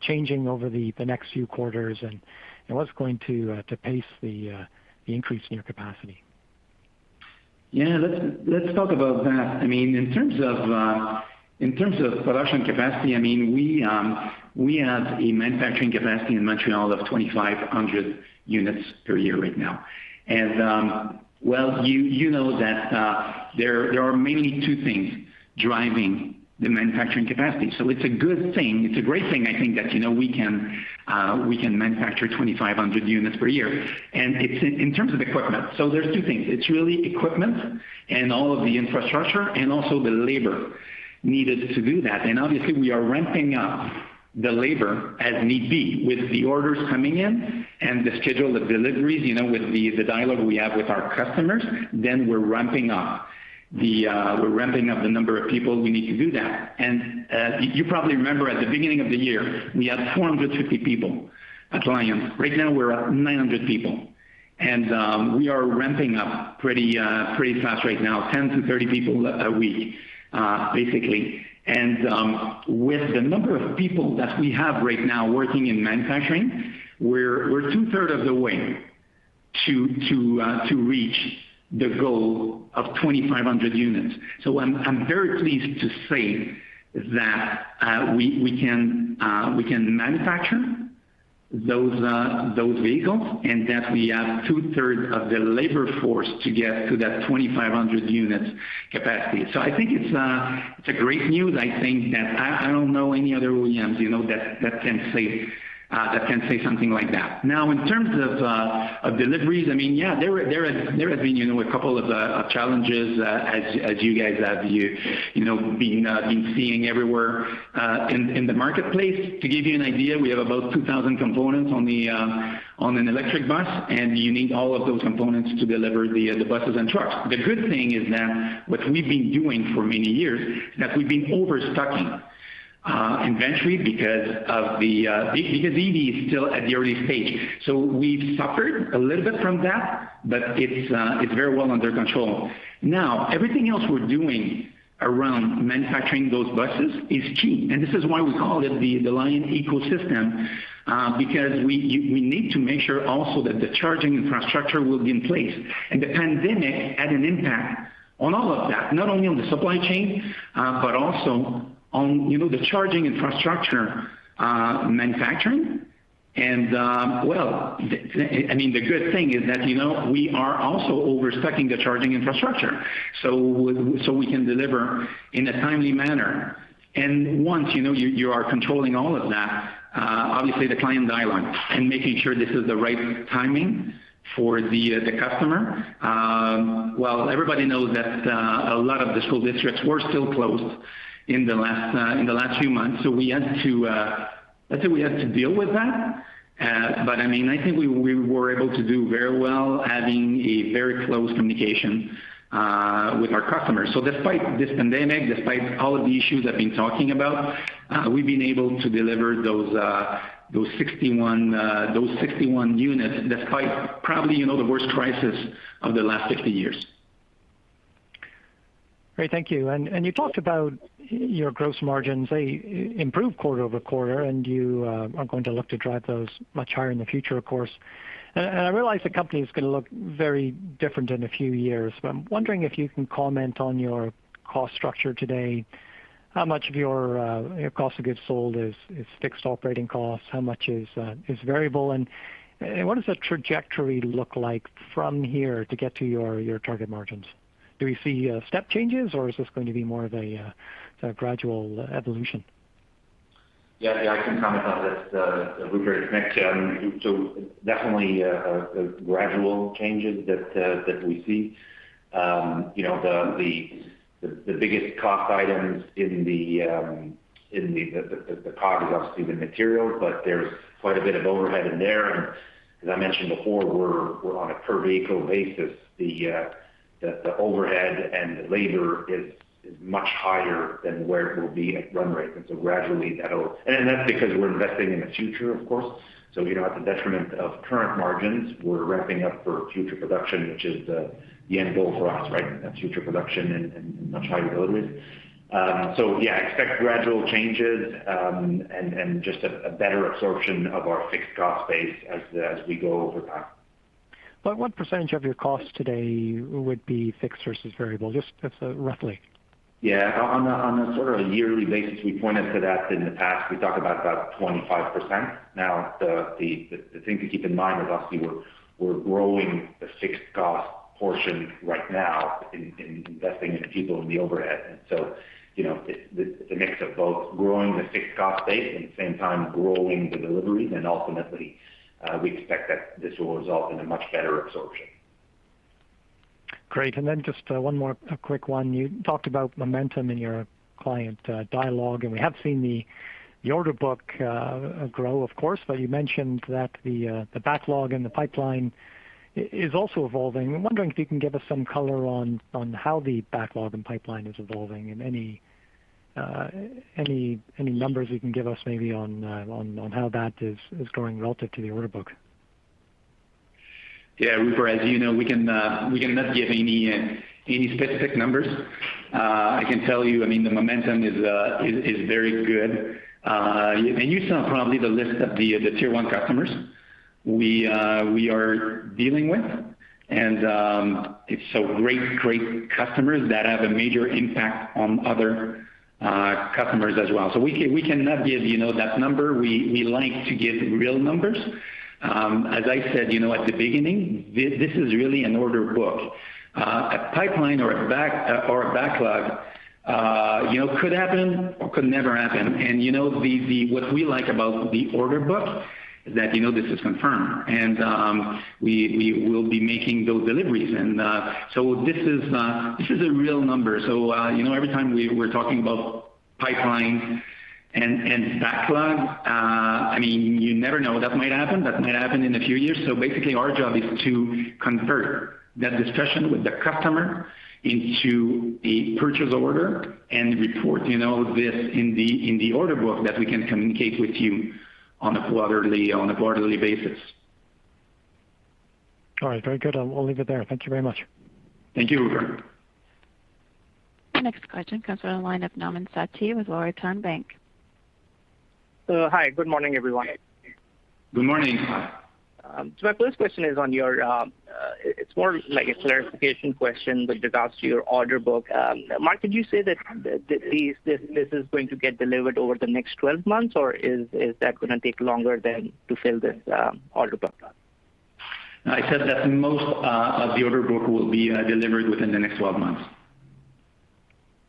changing over the next few quarters, and what's going to pace the increase in your capacity? Let's talk about that. In terms of production capacity, we have a manufacturing capacity in Montreal of 2,500 units per year right now. Well, you know that there are mainly two things driving the manufacturing capacity. It's a good thing. It's a great thing, I think, that we can manufacture 2,500 units per year. In terms of equipment, there's two things. It's really equipment and all of the infrastructure, and also the labor needed to do that. Obviously, we are ramping up the labor as need be with the orders coming in and the schedule of deliveries, with the dialogue we have with our customers, we're ramping up the number of people we need to do that. You probably remember at the beginning of the year, we had 450 people at Lion. Right now, we're at 900 people. We are ramping up pretty fast right now, 10-30 people a week, basically. With the number of people that we have right now working in manufacturing, we're two third of the way to reach the goal of 2,500 units. I'm very pleased to say that we can manufacture those vehicles and that we have two third of the labor force to get to that 2,500 units capacity. I think it's a great news. I think that I don't know any other OEMs that can say something like that. Now, in terms of deliveries, there have been a couple of challenges as you guys have been seeing everywhere in the marketplace. To give you an idea, we have about 2,000 components on an electric bus. You need all of those components to deliver the buses and trucks. The good thing is that what we've been doing for many years, is that we've been overstocking inventory because EV is still at the early stage. We've suffered a little bit from that, but it's very well under control. Now, everything else we're doing around manufacturing those buses is key, and this is why we call it the Lion Ecosystem, because we need to make sure also that the charging infrastructure will be in place. The pandemic had an impact on all of that, not only on the supply chain, but also on the charging infrastructure manufacturing. Well, the good thing is that we are also overstocking the charging infrastructure so we can deliver in a timely manner. Once you are controlling all of that, obviously the client dialogue and making sure this is the right timing for the customer. Everybody knows that a lot of the school districts were still closed in the last few months, so I'd say we had to deal with that. I think we were able to do very well, having a very close communication with our customers. Despite this pandemic, despite all of the issues I've been talking about, we've been able to deliver those 61 units despite probably the worst crisis of the last 50 years. Great. Thank you. You talked about your gross margins. They improved quarter-over-quarter, and you are going to look to drive those much higher in the future, of course. I realize the company is going to look very different in a few years, but I'm wondering if you can comment on your cost structure today. How much of your cost of goods sold is fixed operating costs? How much is variable? What does the trajectory look like from here to get to your target margins? Do we see step changes, or is this going to be more of a gradual evolution? Yeah. I can comment on this, Rupert. Thanks. Definitely gradual changes that we see. The biggest cost items in the COGS is obviously the material, but there's quite a bit of overhead in there. As I mentioned before, we're on a per-vehicle basis. The overhead and labor is much higher than where it will be at run rate, gradually that's because we're investing in the future, of course. At the detriment of current margins, we're ramping up for future production, which is the end goal for us, right? Future production and much higher deliveries. Yeah, expect gradual changes, and just a better absorption of our fixed cost base as we go over time. About what percentage of your cost today would be fixed versus variable? Just roughly. Yeah. On a sort of a yearly basis, we pointed to that in the past. We talked about 25%. The thing to keep in mind is obviously we're growing the fixed cost portion right now in investing in the people and the overhead. It's a mix of both growing the fixed cost base and at the same time growing the deliveries. Ultimately, we expect that this will result in a much better absorption. Great. Just one more quick one. You talked about momentum in your client dialogue, and we have seen the order book grow, of course, but you mentioned that the backlog and the pipeline is also evolving. I'm wondering if you can give us some color on how the backlog and pipeline is evolving, and any numbers you can give us maybe on how that is growing relative to the order book? Yeah, Rupert, as you know, we cannot give any specific numbers. I can tell you, the momentum is very good. You saw probably the list of the Tier 1 customers we are dealing with, and it's great customers that have a major impact on other customers as well. We cannot give that number. We like to give real numbers. As I said at the beginning, this is really an order book. A pipeline or a backlog could happen or could never happen. What we like about the order book is that this is confirmed, we will be making those deliveries. This is a real number. Every time we were talking about pipelines and backlog, you never know. That might happen. That might happen in a few years. Basically, our job is to convert that discussion with the customer into a purchase order and report this in the order book that we can communicate with you on a quarterly basis. All right. Very good. I'll leave it there. Thank you very much. Thank you. Next question comes from the line of Nauman Satti with Laurentian Bank. Hi, good morning, everyone. Good morning. My first question is, it is more like a clarification question with regards to your order book. Marc, did you say that this is going to get delivered over the next 12 months, or is that going to take longer than to fill this order book up? I said that most of the order book will be delivered within the next 12 months.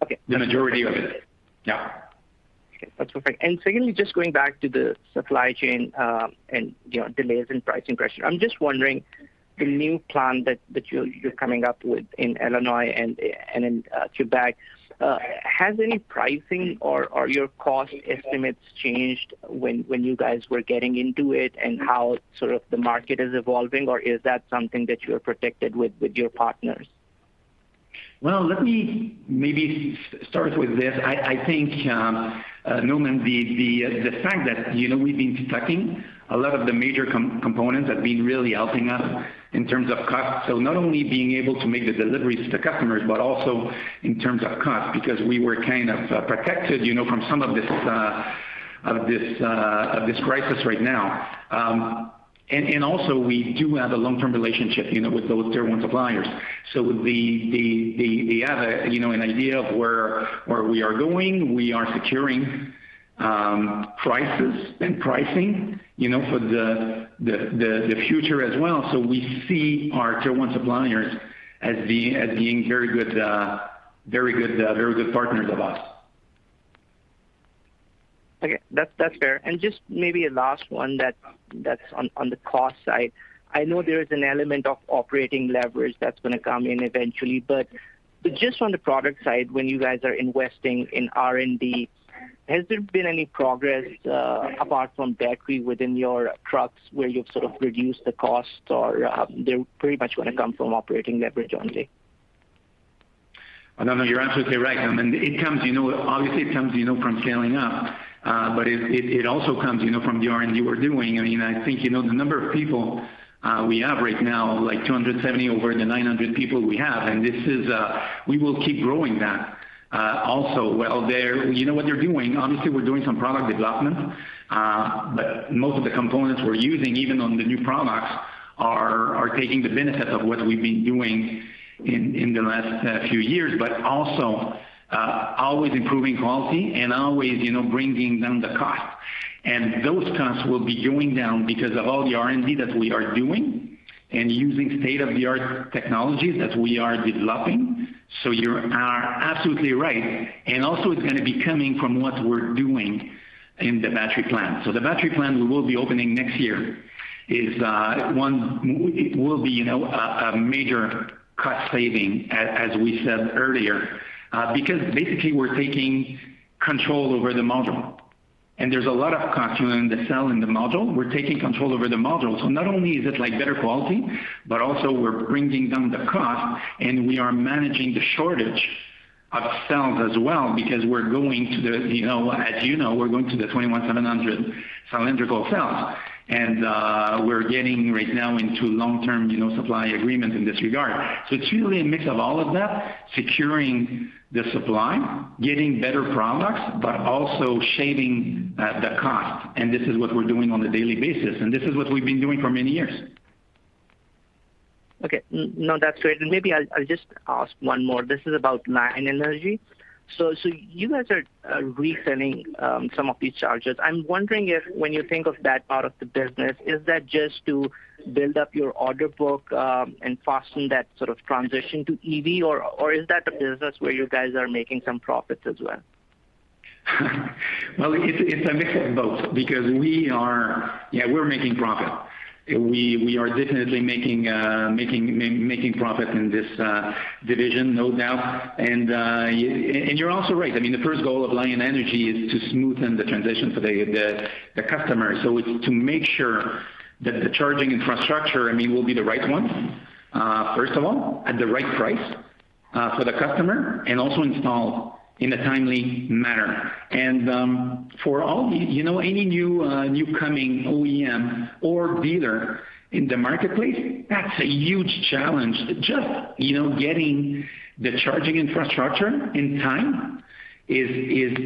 Okay. The majority of it. Yeah. Okay. That's perfect. Secondly, just going back to the supply chain and delays in pricing question. I'm just wondering, the new plan that you're coming up with in Illinois and in Quebec, has any pricing or your cost estimates changed when you guys were getting into it and how sort of the market is evolving, or is that something that you are protected with your partners? Well, let me maybe start with this. I think, Nauman, the fact that we've been stocking a lot of the major components have been really helping us in terms of cost. Not only being able to make the deliveries to customers, but also in terms of cost, because we were kind of protected from some of this crisis right now. We do have a long-term relationship with those Tier 1 suppliers. They have an idea of where we are going. We are securing prices and pricing for the future as well. We see our Tier 1 suppliers as being very good partners of us. Okay. That's fair. Just maybe a last one that's on the cost side. I know there is an element of operating leverage that's going to come in eventually, but just on the product side, when you guys are investing in R&D, has there been any progress apart from battery within your trucks where you've sort of reduced the cost, or they're pretty much going to come from operating leverage only? No, you're absolutely right, Nauman. Obviously, it comes from scaling up, but it also comes from the R&D we're doing. I think the number of people we have right now, like 270 over the 900 people we have, and we will keep growing that. What they're doing, obviously, we're doing some product development, but most of the components we're using, even on the new products, are taking the benefit of what we've been doing in the last few years, but also always improving quality and always bringing down the cost. Those costs will be going down because of all the R&D that we are doing and using state-of-the-art technology that we are developing. You are absolutely right. Also, it's going to be coming from what we're doing in the battery plant. Thebattery plant we will be opening next year will be a major cost saving, as we said earlier, because basically, we're taking control over the module. There's a lot of cost within the cell in the module. We're taking control over the module. Not only is it better quality, but also we're bringing down the cost, and we are managing the shortage of cells as well because, as you know, we're going to the 21700 cylindrical cells. We're getting right now into long-term supply agreements in this regard. It's really a mix of all of that, securing the supply, getting better products, but also shaving the cost. This is what we're doing on a daily basis, and this is what we've been doing for many years. Okay. No, that's great. Maybe I'll just ask one more. This is about LionEnergy. You guys are reselling some of these chargeRs. I'm wondering if when you think of that part of the business, is that just to build up your order book and fasten that sort of transition to EV, or is that a business where you guys are making some profits as well? It's a mix of both because we're making profit. We are definitely making profit in this division, no doubt. You're also right. The first goal of LionEnergy is to smoothen the transition for the customer. It's to make sure that the charging infrastructure will be the right one, first of all, at the right price for the customer and also installed in a timely manner. For any new coming OEM or dealer in the marketplace, that's a huge challenge. Getting the charging infrastructure in time is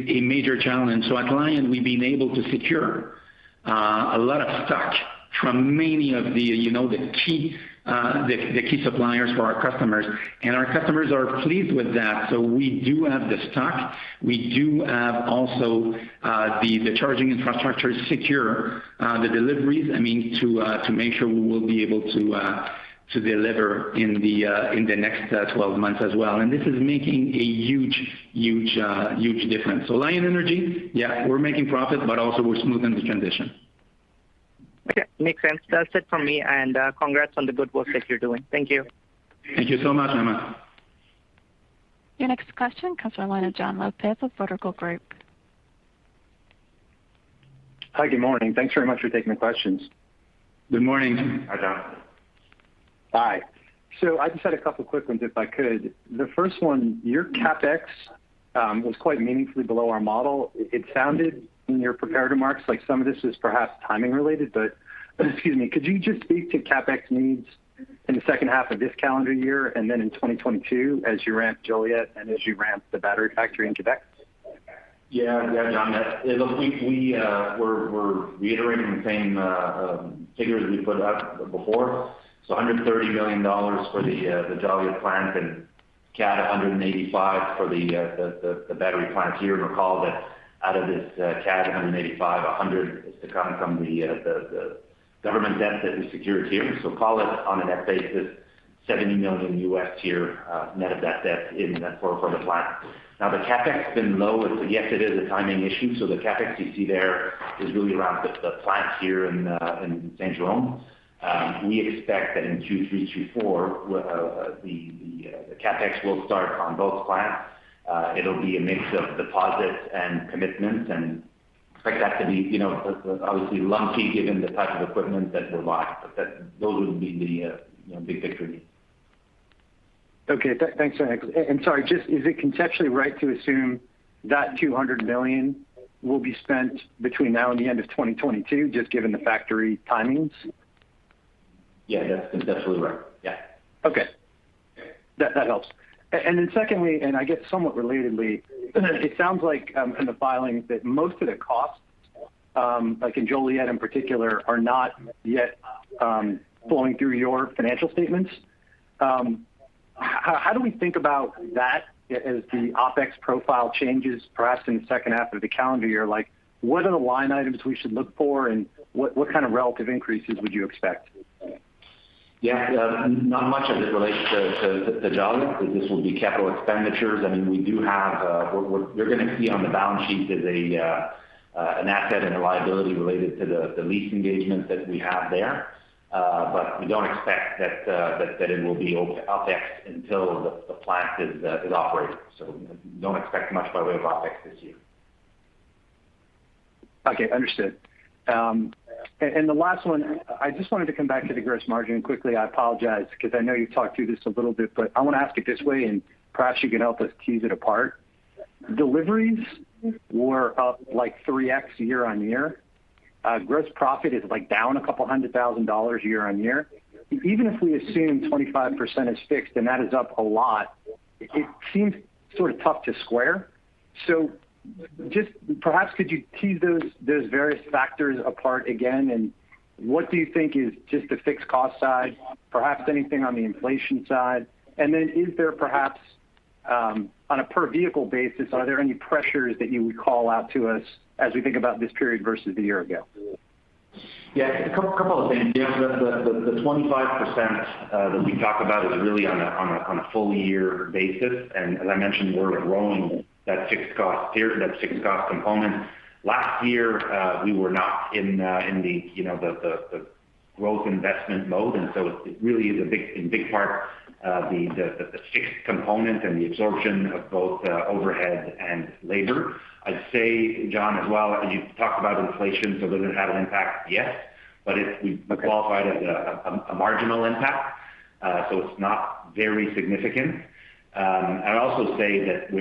a major challenge. At Lion, we've been able to secure A lot of stock from many of the key suppliers for our customers. Our customers are pleased with that. We do have the stock. We do have also the charging infrastructure to secure the deliveries, to make sure we will be able to deliver in the next 12 months as well. This is making a huge difference. Lion Energy, yeah, we're making profit, but also we're smoothing the transition. Okay. Makes sense. That's it from me, and congrats on the good work that you're doing. Thank you. Thank you so much, Nauman. Your next question comes from the line of Jon Lopez with Vertical Group. Hi. Good morning. Thanks very much for taking the questions. Good morning, Jon. Hi. I just had a couple of quick ones, if I could. The first one, your CapEx was quite meaningfully below our model. It sounded, in your prepared remarks, like some of this is perhaps timing related. Excuse me, could you just speak to CapEx needs in the second half of this calendar year and then in 2022 as you ramp Joliet and as you ramp the battery factory in Quebec? Jon. We were reiterating the same figures we put out before. $130 million for the Joliet plant and CAD 185 for the battery plant here. Recall that out of this CAD 185, CAD 100 is to come from the government debt that we secured here. Call it, on a net basis, $70 million here, net of that debt in that quarter for the plant. Now the CapEx has been low. Yes, it is a timing issue. The CapEx you see there is really around the plant here in Saint-Jerome. We expect that in Q3, Q4, the CapEx will start on both plants. It'll be a mix of deposits and commitments and expect that to be obviously lumpy given the type of equipment that we buy, but those will be the big picture needs. Okay. Thanks very much. Sorry, just is it conceptually right to assume that 200 million will be spent between now and the end of 2022, just given the factory timings? Yeah, that's definitely right. Yeah. Okay. That helps. Secondly, and I guess somewhat relatedly, it sounds like in the filings that most of the costs, like in Joliet in particular, are not yet flowing through your financial statements. How do we think about that as the OpEx profile changes, perhaps in the second half of the calendar year? What are the line items we should look for, and what kind of relative increases would you expect? Not much of it relates to Joliet, because this will be CapEx. What you're going to see on the balance sheet is an asset and a liability related to the lease engagement that we have there. We don't expect that it will be OpEx until the plant is operating. Don't expect much by way of OpEx this year. Okay. Understood. The last one, I just wanted to come back to the gross margin quickly. I apologize because I know you've talked through this a little bit, but I want to ask it this way, and perhaps you could help us tease it apart. Deliveries were up like 3x year-over-year. Gross profit is down a couple of hundred thousand dollars year-on-year. Even if we assume 25% is fixed, and that is up a lot, it seems sort of tough to square. Just perhaps could you tease those various factors apart again, and what do you think is just the fixed cost side, perhaps anything on the inflation side? And then is there perhaps, on a per vehicle basis, are there any pressures that you would call out to us as we think about this period versus a year ago? A couple of things. Yeah, the 25% that we talk about is really on a full year basis. As I mentioned, we're rolling that fixed cost component. Last year, we were not in the growth investment mode, and so it really is in big part the fixed component and the absorption of both overhead and labor. I'd say, Jon, as well, you talked about inflation, so does it have an impact? Yes, but it's qualified as a marginal impact. It's not very significant. I'd also say that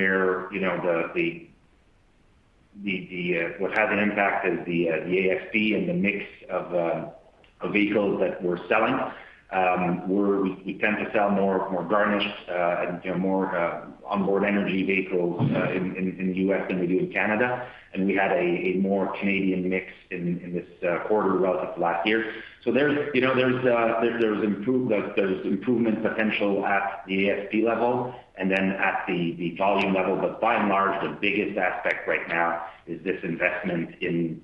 what has an impact is the ASP and the mix of vehicles that we're selling, where we tend to sell more garnished and more onboard energy vehicles in the U.S. than we do in Canada. We had a more Canadian mix in this quarter relative to last year. There's improvement potential at the ASP level and then at the volume level. By and large, the biggest aspect right now is this investment in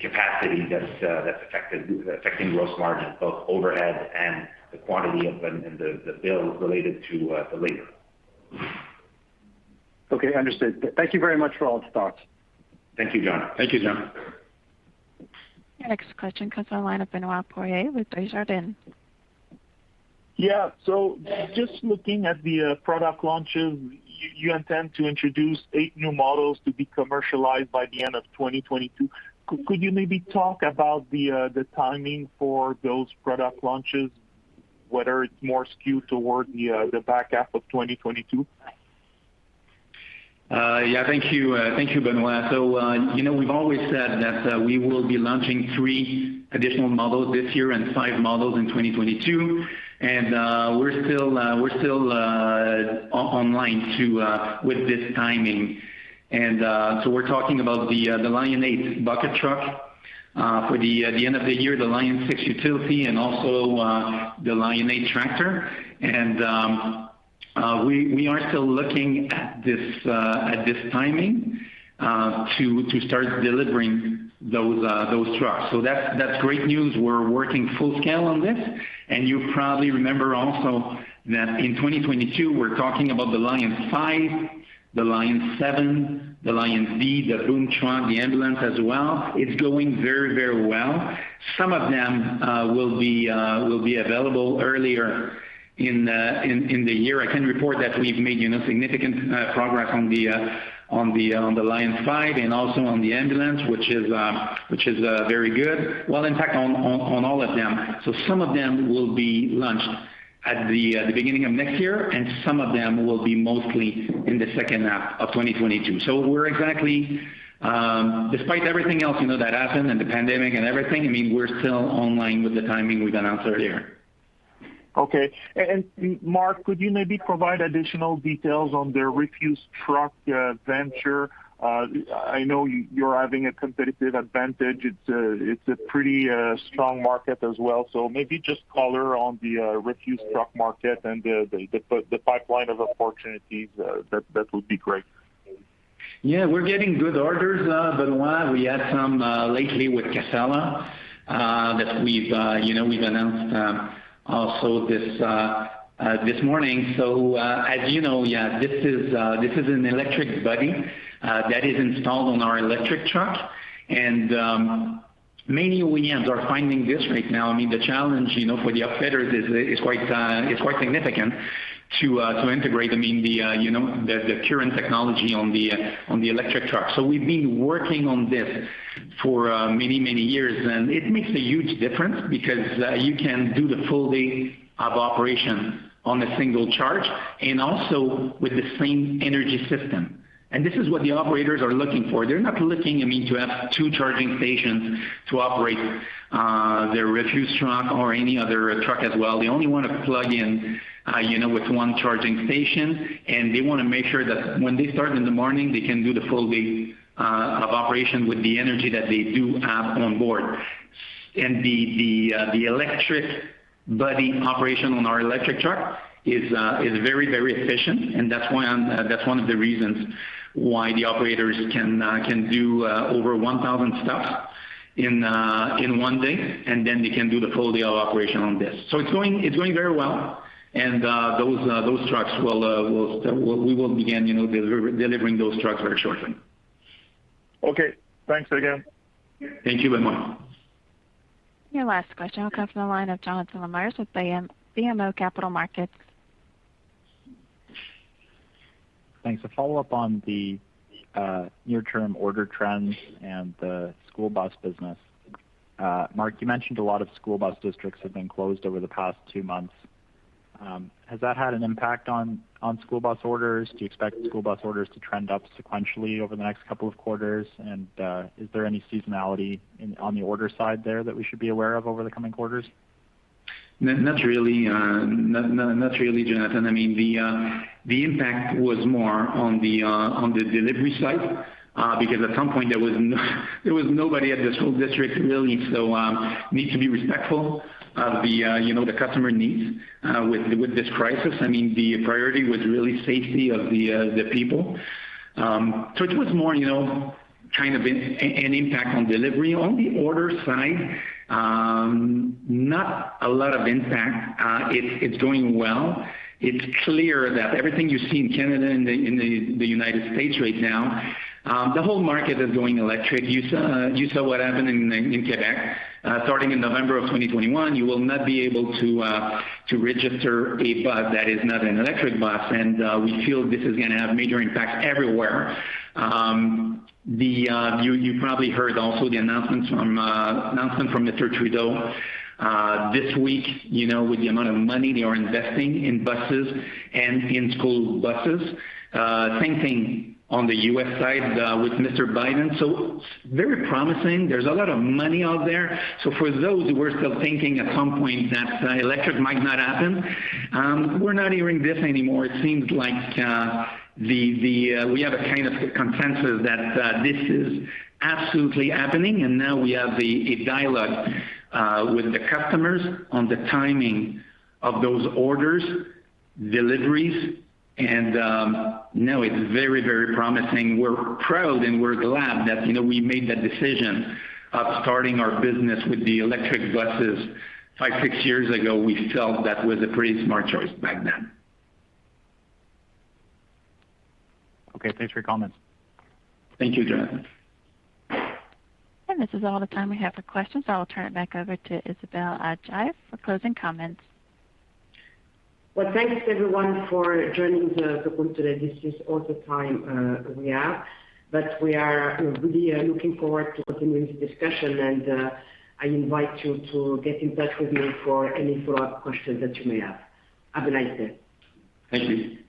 capacity that's affecting gross margin, both overhead and the quantity and the bill related to the labor. Okay. Understood. Thank you very much for all the thoughts. Thank you, Jon. Thank you, Jon Your next question comes on line of Benoit Poirier with Desjardins. Yeah. Just looking at the product launches, you intend to introduce eight new models to be commercialized by the end of 2022. Could you maybe talk about the timing for those product launches, whether it's more skewed toward the back half of 2022? Yeah. Thank you, Benoit. We've always said that we will be launching three additional models this year and five models in 2022. We're still online with this timing. We're talking about the Lion8 bucket truck. For the end of the year, the Lion6 utility and also the Lion8 tractor. We are still looking at this timing to start delivering those trucks. That's great news. We're working full scale on this. You probably remember also that in 2022, we're talking about the Lion5, the Lion7, the Lion Z, the boom truck, the ambulance as well. It's going very well. Some of them will be available earlier in the year. I can report that we've made significant progress on the Lion5 and also on the ambulance, which is very good. Well, in fact, on all of them. Some of them will be launched at the beginning of next year, and some of them will be mostly in the second half of 2022. Despite everything else that happened and the pandemic and everything, we're still online with the timing we've announced earlier. Okay. Marc, could you maybe provide additional details on the refuse truck venture? I know you're having a competitive advantage. It's a pretty strong market as well. Maybe just color on the refuse truck market and the pipeline of opportunities. That would be great. We're getting good orders, Benoit. We had some lately with Casella, that we've announced also this morning. As you know, this is an electric body that is installed on our electric truck. Many OEMs are finding this right now. The challenge for the upfitters is quite significant to integrate the current technology on the electric truck. We've been working on this for many years, and it makes a huge difference because you can do the full day of operation on a single charge, and also with the same energy system. This is what the operators are looking for. They're not looking to have two charging stations to operate their refuse truck or any other truck as well. They only want to plug in with one charging station, and they want to make sure that when they start in the morning, they can do the full day of operation with the energy that they do have on board. The electric battery operation on our electric truck is very efficient, and that's one of the reasons why the operators can do over 1,000 stops in one day, and then they can do the full day of operation on this. It's going very well. Those trucks, we will begin delivering those trucks very shortly. Okay. Thanks again. Thank you, Benoit. Your last question will come from the line of Jonathan Lamers with BMO Capital Markets. Thanks. A follow-up on the near term order trends and the school bus business. Marc, you mentioned a lot of school bus districts have been closed over the past two months. Has that had an impact on school bus orders? Do you expect school bus orders to trend up sequentially over the next couple of quarters? Is there any seasonality on the order side there that we should be aware of over the coming quarters? Not really, Jonathan. The impact was more on the delivery side, because at some point there was nobody at the school district, really. We need to be respectful of the customer needs with this crisis. The priority was really safety of the people. It was more an impact on delivery. On the order side, not a lot of impact. It's doing well. Everything you see in Canada and the U.S. right now, the whole market is going electric. You saw what happened in Quebec. Starting in November of 2021, you will not be able to register a bus that is not an electric bus, and we feel this is going to have major impacts everywhere. You probably heard also the announcement from Trudeau this week, with the amount of money they are investing in buses and in school buses. Same thing on the U.S. side with Mr. Biden. Very promising. There's a lot of money out there. For those who were still thinking at some point that electric might not happen, we're not hearing this anymore. It seems like we have a consensus that this is absolutely happening, and now we have a dialogue with the customers on the timing of those orders, deliveries. No, it's very promising. We're proud and we're glad that we made that decision of starting our business with the electric buses five, six years ago. We felt that was a pretty smart choice back then. Okay, thanks for your comments. Thank you, Jonathan. This is all the time we have for questions. I will turn it back over to Isabelle Adjahi for closing comments. Well, thanks everyone for joining the call today. This is all the time we have, but we are really looking forward to continuing the discussion, and I invite you to get in touch with me for any follow-up questions that you may have. Have a nice day. Thank you.